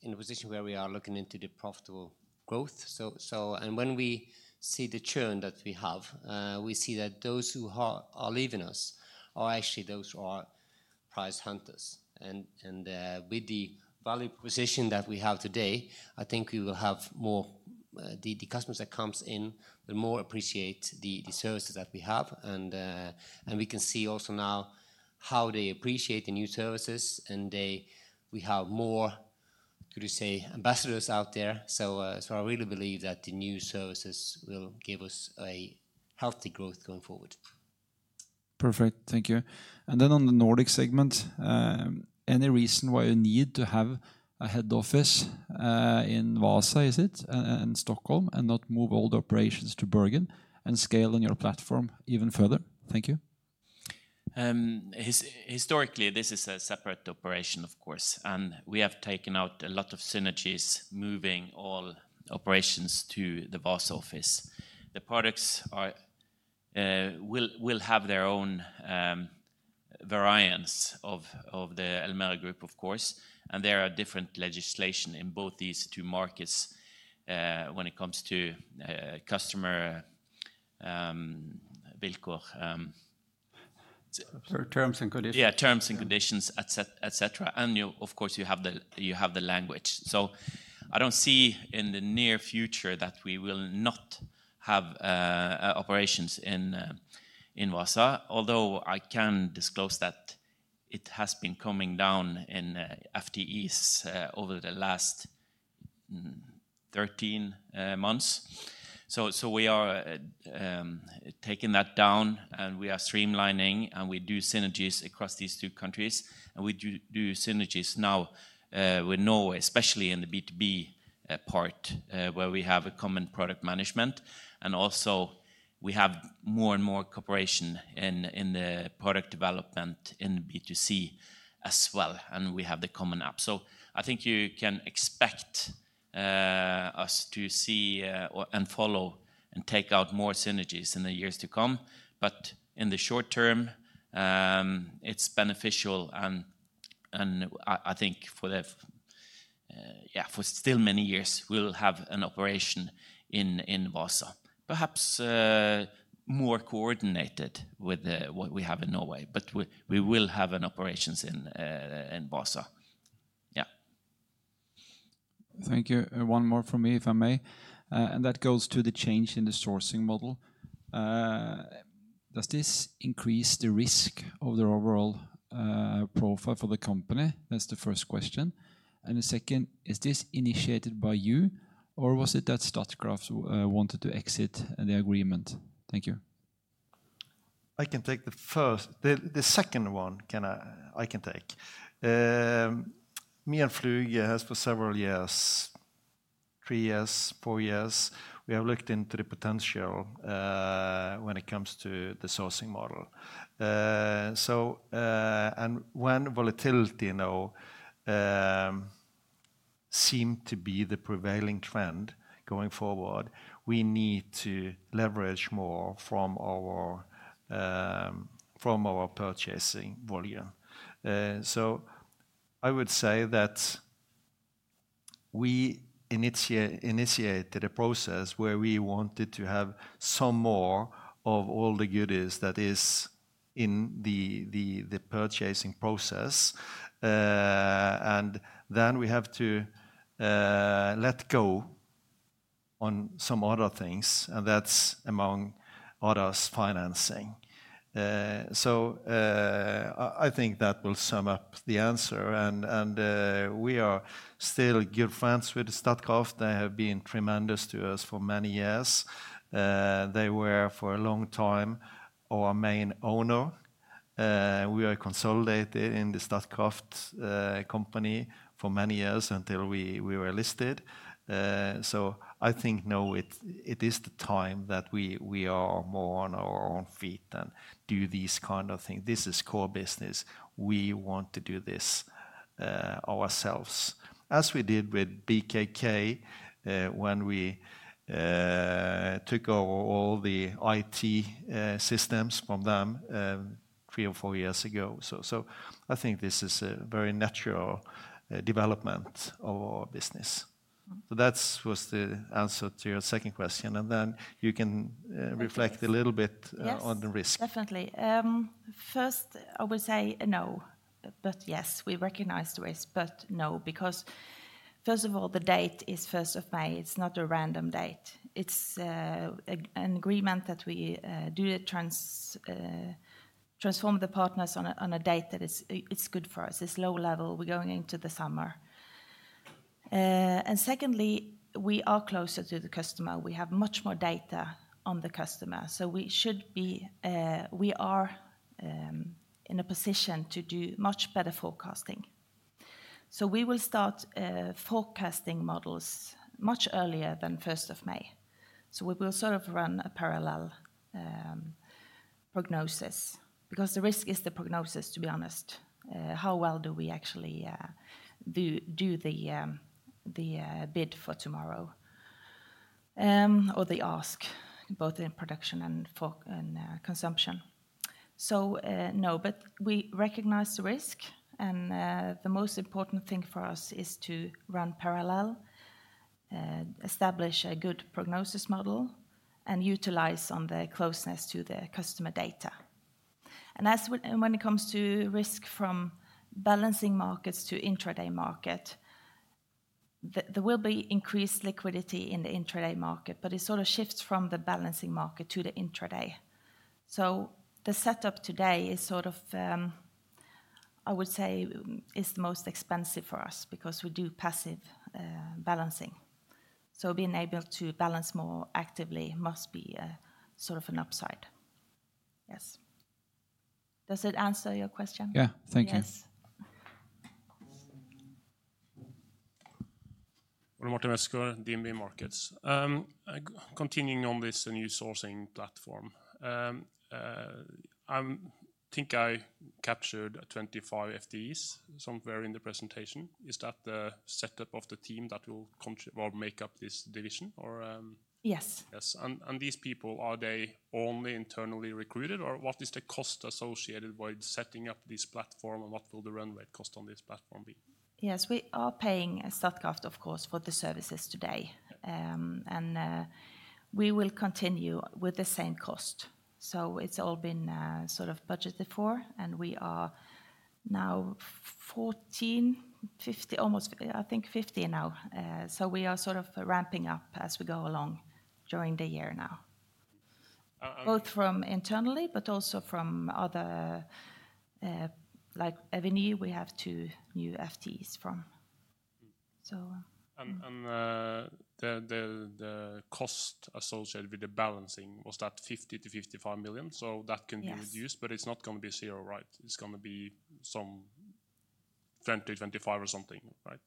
in a position where we are looking into the profitable growth. And when we see the churn that we have, we see that those who are leaving us are actually those who are price hunters. And with the value position that we have today, I think we will have more the customers that come in will more appreciate the services that we have. And we can see also now how they appreciate the new services. And we have more, could you say, ambassadors out there. So I really believe that the new services will give us a healthy growth going forward. Perfect. Thank you. And then on the Nordic segment, any reason why you need to have a head office in Vaasa, is it, and Stockholm, and not move all the operations to Bergen and scaling your platform even further? Thank you. Historically, this is a separate operation, of course. And we have taken out a lot of synergies, moving all operations to the Vaasa office. The products will have their own variants of the Elmera Group, of course. And there are different legislations in both these two markets when it comes to customer villkor. Terms and conditions. Yeah, terms and conditions, etc. And of course, you have the language. So I don't see in the near future that we will not have operations in Vaasa, although I can disclose that it has been coming down in FTEs over the last 13 months. So we are taking that down, and we are streamlining, and we do synergies across these two countries. And we do synergies now with Norway, especially in the B2B part, where we have a common product management. And also, we have more and more cooperation in the product development in B2C as well. And we have the common app. So I think you can expect us to see and follow and take out more synergies in the years to come. But in the short term, it's beneficial. And I think for still many years, we'll have an operation in Vaasa, perhaps more coordinated with what we have in Norway, but we will have an operation in Vaasa. Yeah. Thank you. One more from me, if I may. And that goes to the change in the sourcing model. Does this increase the risk of the overall profile for the company? That's the first question. And the second, is this initiated by you, or was it that Statkraft wanted to exit the agreement? Thank you. I can take the first. The second one I can take. Me and Fluge has for several years, three years, four years, we have looked into the potential when it comes to the sourcing model. And when volatility now seemed to be the prevailing trend going forward, we need to leverage more from our purchasing volume. So I would say that we initiated a process where we wanted to have some more of all the goodies that are in the purchasing process. And then we have to let go on some other things, and that's among others financing. So I think that will sum up the answer. And we are still good friends with Statkraft. They have been tremendous to us for many years. They were for a long time our main owner. We were consolidated in the Statkraft company for many years until we were listed. So I think now it is the time that we are more on our own feet and do these kinds of things. This is core business. We want to do this ourselves, as we did with BKK when we took over all the IT systems from them three or four years ago. So I think this is a very natural development of our business. So that was the answer to your second question. And then you can reflect a little bit on the risk. Definitely. First, I will say no. But yes, we recognize the risk, but no, because first of all, the date is May 1st. It's not a random date. It's an agreement that we do transform the partners on a date that is good for us. It's low level. We're going into the summer. And secondly, we are closer to the customer. We have much more data on the customer. So we are in a position to do much better forecasting. So we will start forecasting models much earlier than May 1st. So we will sort of run a parallel prognosis because the risk is the prognosis, to be honest. How well do we actually do the bid for tomorrow or the ask, both in production and consumption? So no, but we recognize the risk. And the most important thing for us is to run parallel, establish a good prognosis model, and utilize the closeness to the customer data. And when it comes to risk from balancing markets to intraday market, there will be increased liquidity in the intraday market, but it sort of shifts from the balancing market to the intraday. So the setup today is sort of, I would say, is the most expensive for us because we do passive balancing. So being able to balance more actively must be sort of an upside. Yes. Does it answer your question? Yeah, thank you. Yes. Well, Morten, Østgård, DNB Markets. Continuing on this new sourcing platform, I think I captured 25 FTEs somewhere in the presentation. Is that the setup of the team that will make up this division? Yes. Yes. And these people, are they only internally recruited, or what is the cost associated with setting up this platform, and what will the runway cost on this platform be? Yes, we are paying Statkraft, of course, for the services today. We will continue with the same cost. So it's all been sort of budgeted for, and we are now 14, 50, almost, I think 50 now. So we are sort of ramping up as we go along during the year now, both from internally, but also from other like Eviny, we have two new FTEs from. And the cost associated with the balancing, was that 50 million-55 million? So that can be reduced, but it's not going to be zero, right? It's going to be some 20-25 or something, right?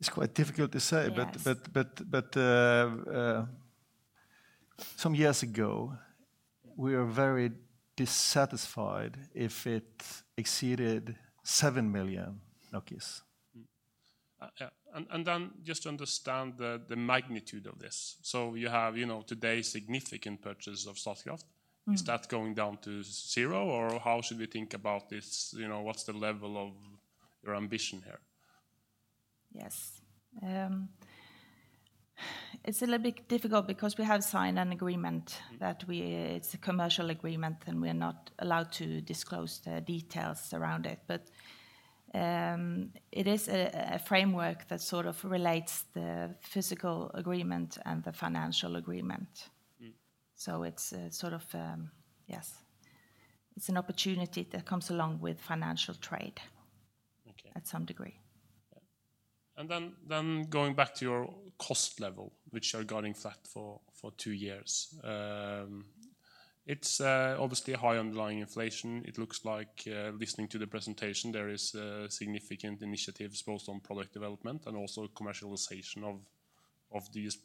It's quite difficult to say, but some years ago, we were very dissatisfied if it exceeded 7 million. Yeah. Then just to understand the magnitude of this. So you have today's significant purchase of Statkraft. Is that going down to zero, or how should we think about this? What's the level of your ambition here? Yes. It's a little bit difficult because we have signed an agreement that it's a commercial agreement, and we are not allowed to disclose the details around it. But it is a framework that sort of relates the physical agreement and the financial agreement. So it's sort of, yes, it's an opportunity that comes along with financial trade at some degree. And then going back to your cost level, which you're going flat for two years, it's obviously high underlying inflation. It looks like, listening to the presentation, there is significant initiatives both on product development and also commercialization of these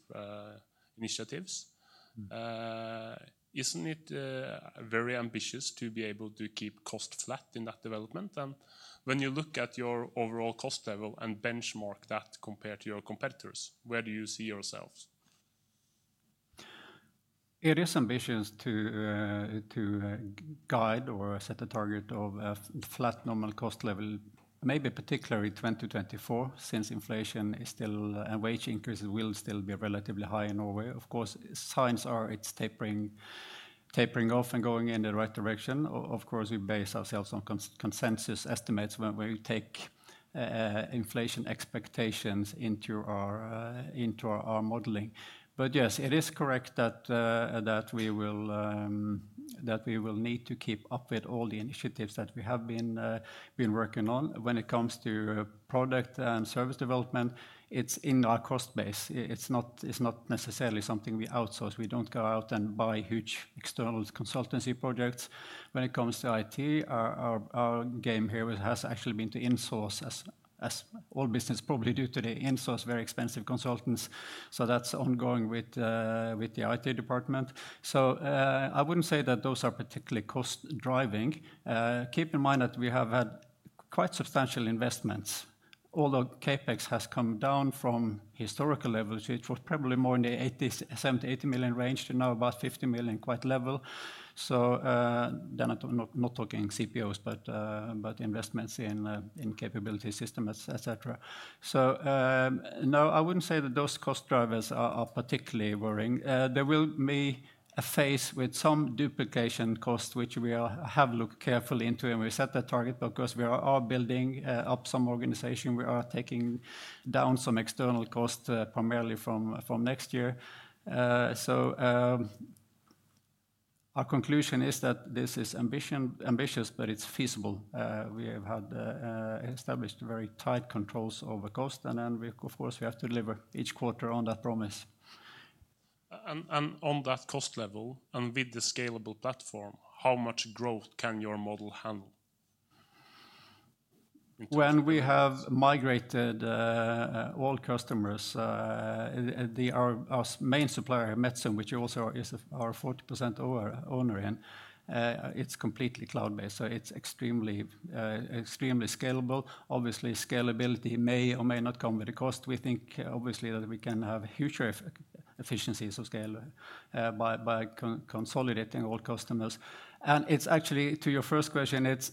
initiatives. Isn't it very ambitious to be able to keep costs flat in that development? When you look at your overall cost level and benchmark that compared to your competitors, where do you see yourselves? It is ambitious to guide or set a target of a flat normal cost level, maybe particularly 2024, since inflation and wage increases will still be relatively high in Norway. Of course, signs are it's tapering off and going in the right direction. Of course, we base ourselves on consensus estimates when we take inflation expectations into our modeling. But yes, it is correct that we will need to keep up with all the initiatives that we have been working on. When it comes to product and service development, it's in our cost base. It's not necessarily something we outsource. We don't go out and buy huge external consultancy projects. When it comes to IT, our game here has actually been to insource, as all business probably do today, insource very expensive consultants. So that's ongoing with the IT department. So I wouldn't say that those are particularly cost-driving. Keep in mind that we have had quite substantial investments. Although CapEx has come down from historical levels, which was probably more in the 70 million-80 million range to now about 50 million quite level. So then I'm not talking CapEx, but investments in capability systems, etc. So no, I wouldn't say that those cost drivers are particularly worrying. There will be a phase with some duplication cost, which we have looked carefully into and we set the target, but because we are building up some organization, we are taking down some external costs primarily from next year. So our conclusion is that this is ambitious, but it's feasible. We have established very tight controls over cost, and then of course we have to deliver each quarter on that promise. And on that cost level and with the scalable platform, how much growth can your model handle? When we have migrated all customers, our main supplier, Metzum, which also is our 40% owner in, it's completely cloud-based, so it's extremely scalable. Obviously, scalability may or may not come with the cost. We think obviously that we can have huge efficiencies of scale by consolidating all customers. And it's actually, to your first question, it's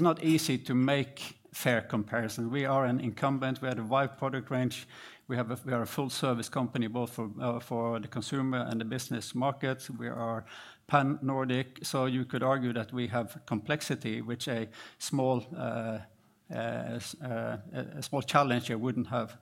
not easy to make fair comparisons. We are an incumbent. We had a wide product range. We are a full-service company, both for the consumer and the business markets. We are pan-Nordic, so you could argue that we have complexity, which a small challenge here wouldn't have.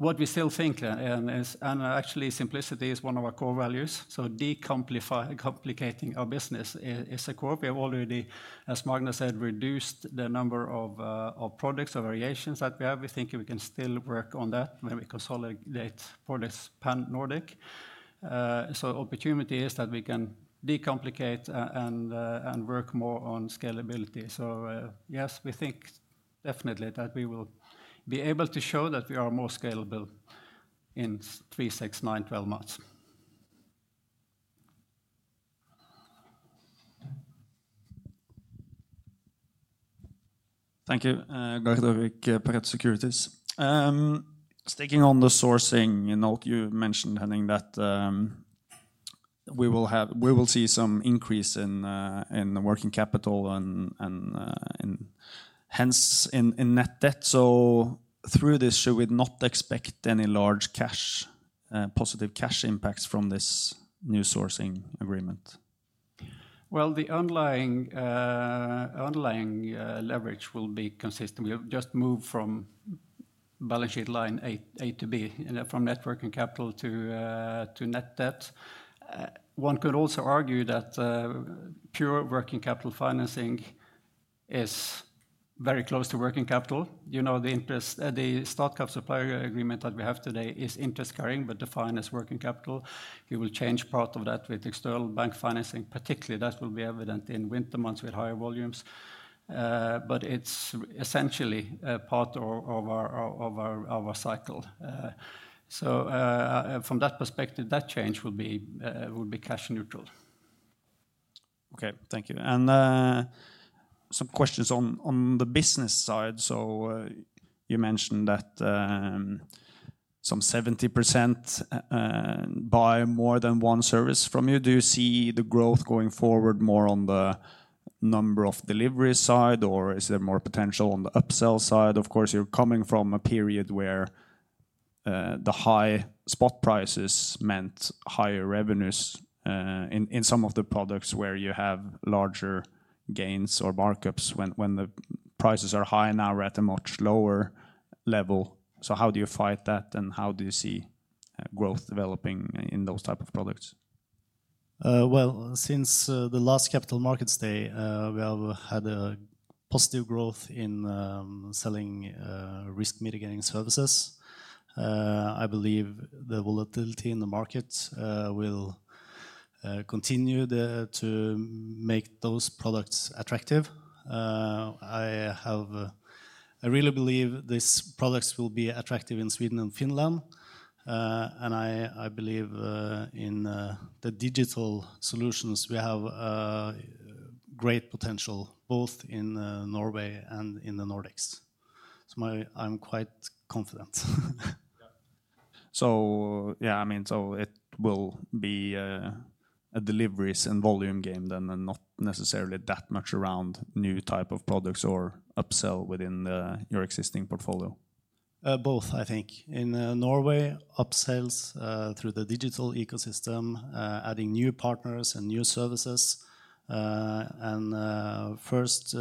What we still think, and actually simplicity is one of our core values, so decomplicating our business is a core. We have already, as Magnar said, reduced the number of products or variations that we have. We think we can still work on that when we consolidate for this pan-Nordic. So opportunity is that we can decomplicate and work more on scalability. So yes, we think definitely that we will be able to show that we are more scalable in 3, 6, 9, 12 months. Thank you, Gard Aarvik, Pareto Securities. Sticking on the sourcing note, you mentioned, Henning, that we will see some increase in working capital and hence in net debt. So through this, should we not expect any large positive cash impacts from this new sourcing agreement? Well, the underlying leverage will be consistent. We have just moved from balance sheet line A to B, from net working capital to net debt. One could also argue that pure working capital financing is very close to working capital. The Statkraft supplier agreement that we have today is interest-carrying, but defined as working capital. We will change part of that with external bank financing. Particularly, that will be evident in winter months with higher volumes. But it's essentially part of our cycle. So from that perspective, that change will be cash neutral. Okay, thank you. And some questions on the business side. So you mentioned that some 70% buy more than one service from you. Do you see the growth going forward more on the number of deliveries side, or is there more potential on the upsell side? Of course, you're coming from a period where the high spot prices meant higher revenues in some of the products where you have larger gains or markups when the prices are high now at a much lower level. So how do you fight that, and how do you see growth developing in those types of products? Well, since the last Capital Markets Day, we have had a positive growth in selling risk-mitigating services. I believe the volatility in the market will continue to make those products attractive. I really believe these products will be attractive in Sweden and Finland. And I believe in the digital solutions, we have great potential both in Norway and in the Nordics. So I'm quite confident. So yeah, I mean, so it will be a deliveries and volume game then and not necessarily that much around new type of products or upsell within your existing portfolio? Both, I think. In Norway, upsales through the digital ecosystem, adding new partners and new services. And first,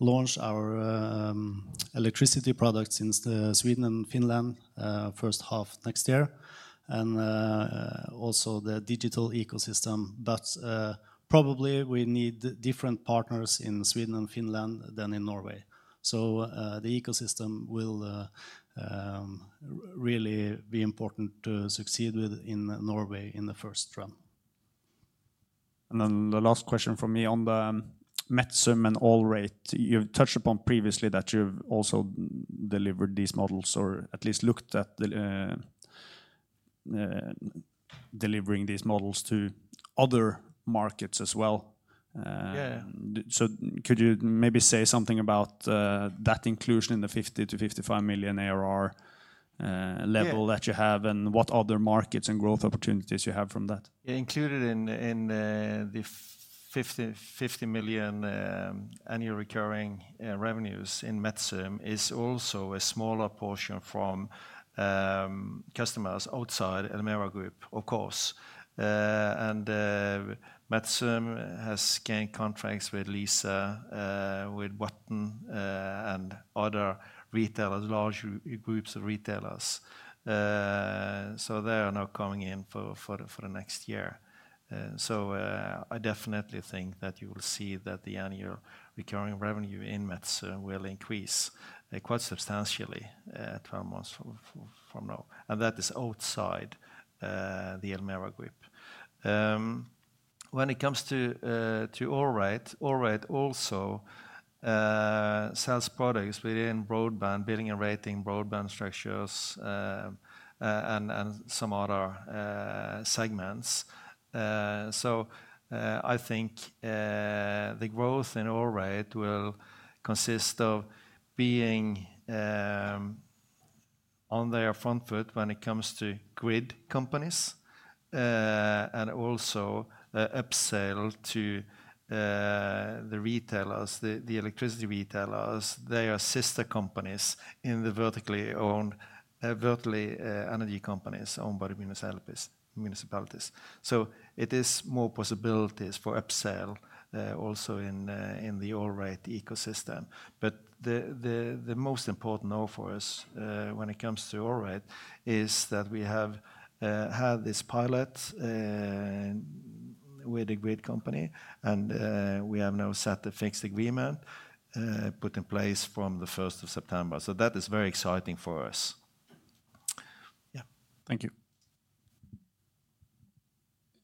launch our electricity products in Sweden and Finland H1 next year. And also the digital ecosystem. But probably we need different partners in Sweden and Finland than in Norway. So the ecosystem will really be important to succeed with in Norway in the first term. And then the last question from me on the Metzum and AllRate. You've touched upon previously that you've also delivered these models or at least looked at delivering these models to other markets as well. So could you maybe say something about that inclusion in the 50 million-NOK55 million ARR level that you have and what other markets and growth opportunities you have from that? Included in the 50 million annual recurring revenues in Metzum is also a smaller portion from customers outside Elmera Group, of course. Metzum has gained contracts with Lyse, with Wattn, and other retailers, large groups of retailers. So they are now coming in for the next year. So I definitely think that you will see that the annual recurring revenue in Metzum will increase quite substantially 12 months from now. That is outside the Elmera Group. When it comes to AllRate, AllRate also sells products within broadband, billing and rating, broadband structures, and some other segments. So I think the growth in AllRate will consist of being on their front foot when it comes to grid companies and also upsell to the retailers, the electricity retailers, their sister companies in the vertically owned energy companies owned by the municipalities. So it is more possibilities for upsell also in the AllRate ecosystem. But the most important now for us when it comes to AllRate is that we have had this pilot with a grid company and we have now set the fixed agreement put in place from the September 1st. So that is very exciting for us. Yeah, thank you.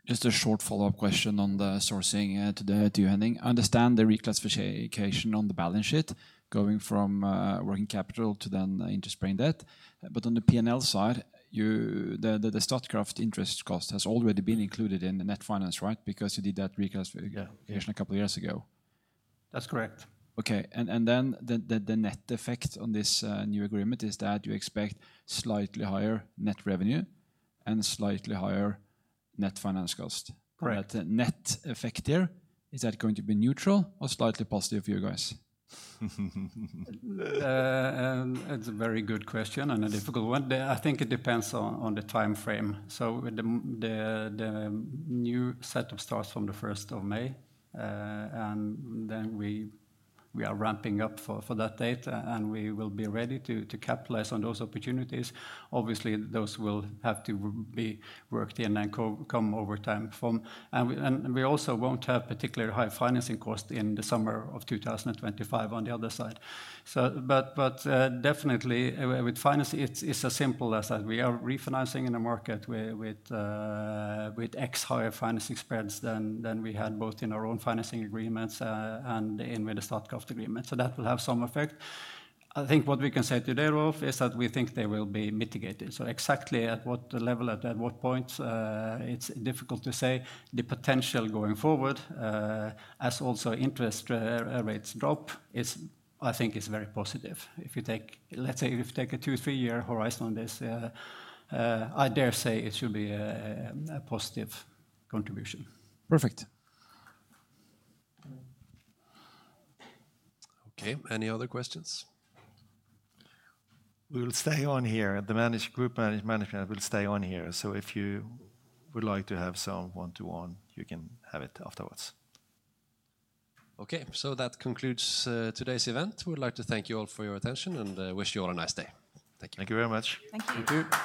Just a short follow-up question on the sourcing to you, Henning. I understand the reclassification on the balance sheet going from working capital to then into long-term debt. But on the P&L side, the Statkraft interest cost has already been included in the net finance, right? Because you did that reclassification a couple of years ago. That's correct. Okay. And then the net effect on this new agreement is that you expect slightly higher net revenue and slightly higher net finance cost. But net effect here, is that going to be neutral or slightly positive for you guys? It's a very good question and a difficult one. I think it depends on the time frame. So the new setup starts from the May 1st, and then we are ramping up for that date, and we will be ready to capitalize on those opportunities. Obviously, those will have to be worked in and come over time from. And we also won't have particularly high financing cost in the summer of 2025 on the other side. But definitely, with financing, it's as simple as that. We are refinancing in the market with X higher financing spreads than we had both in our own financing agreements and with the Statkraft agreement. So that will have some effect. I think what we can say today, Rolf, is that we think they will be mitigated. So exactly at what level, at what point, it's difficult to say. The potential going forward, as also interest rates drop, I think is very positive. If you take, let's say, if you take a two, three-year horizon on this, I dare say it should be a positive contribution. Perfect. Okay. Any other questions? We'll stay on here. The managed group management will stay on here. So if you would like to have some one-to-one, you can have it afterwards. Okay. So that concludes today's event. We'd like to thank you all for your attention and wish you all a nice day. Thank you. Thank you very much. Thank you. Thank you.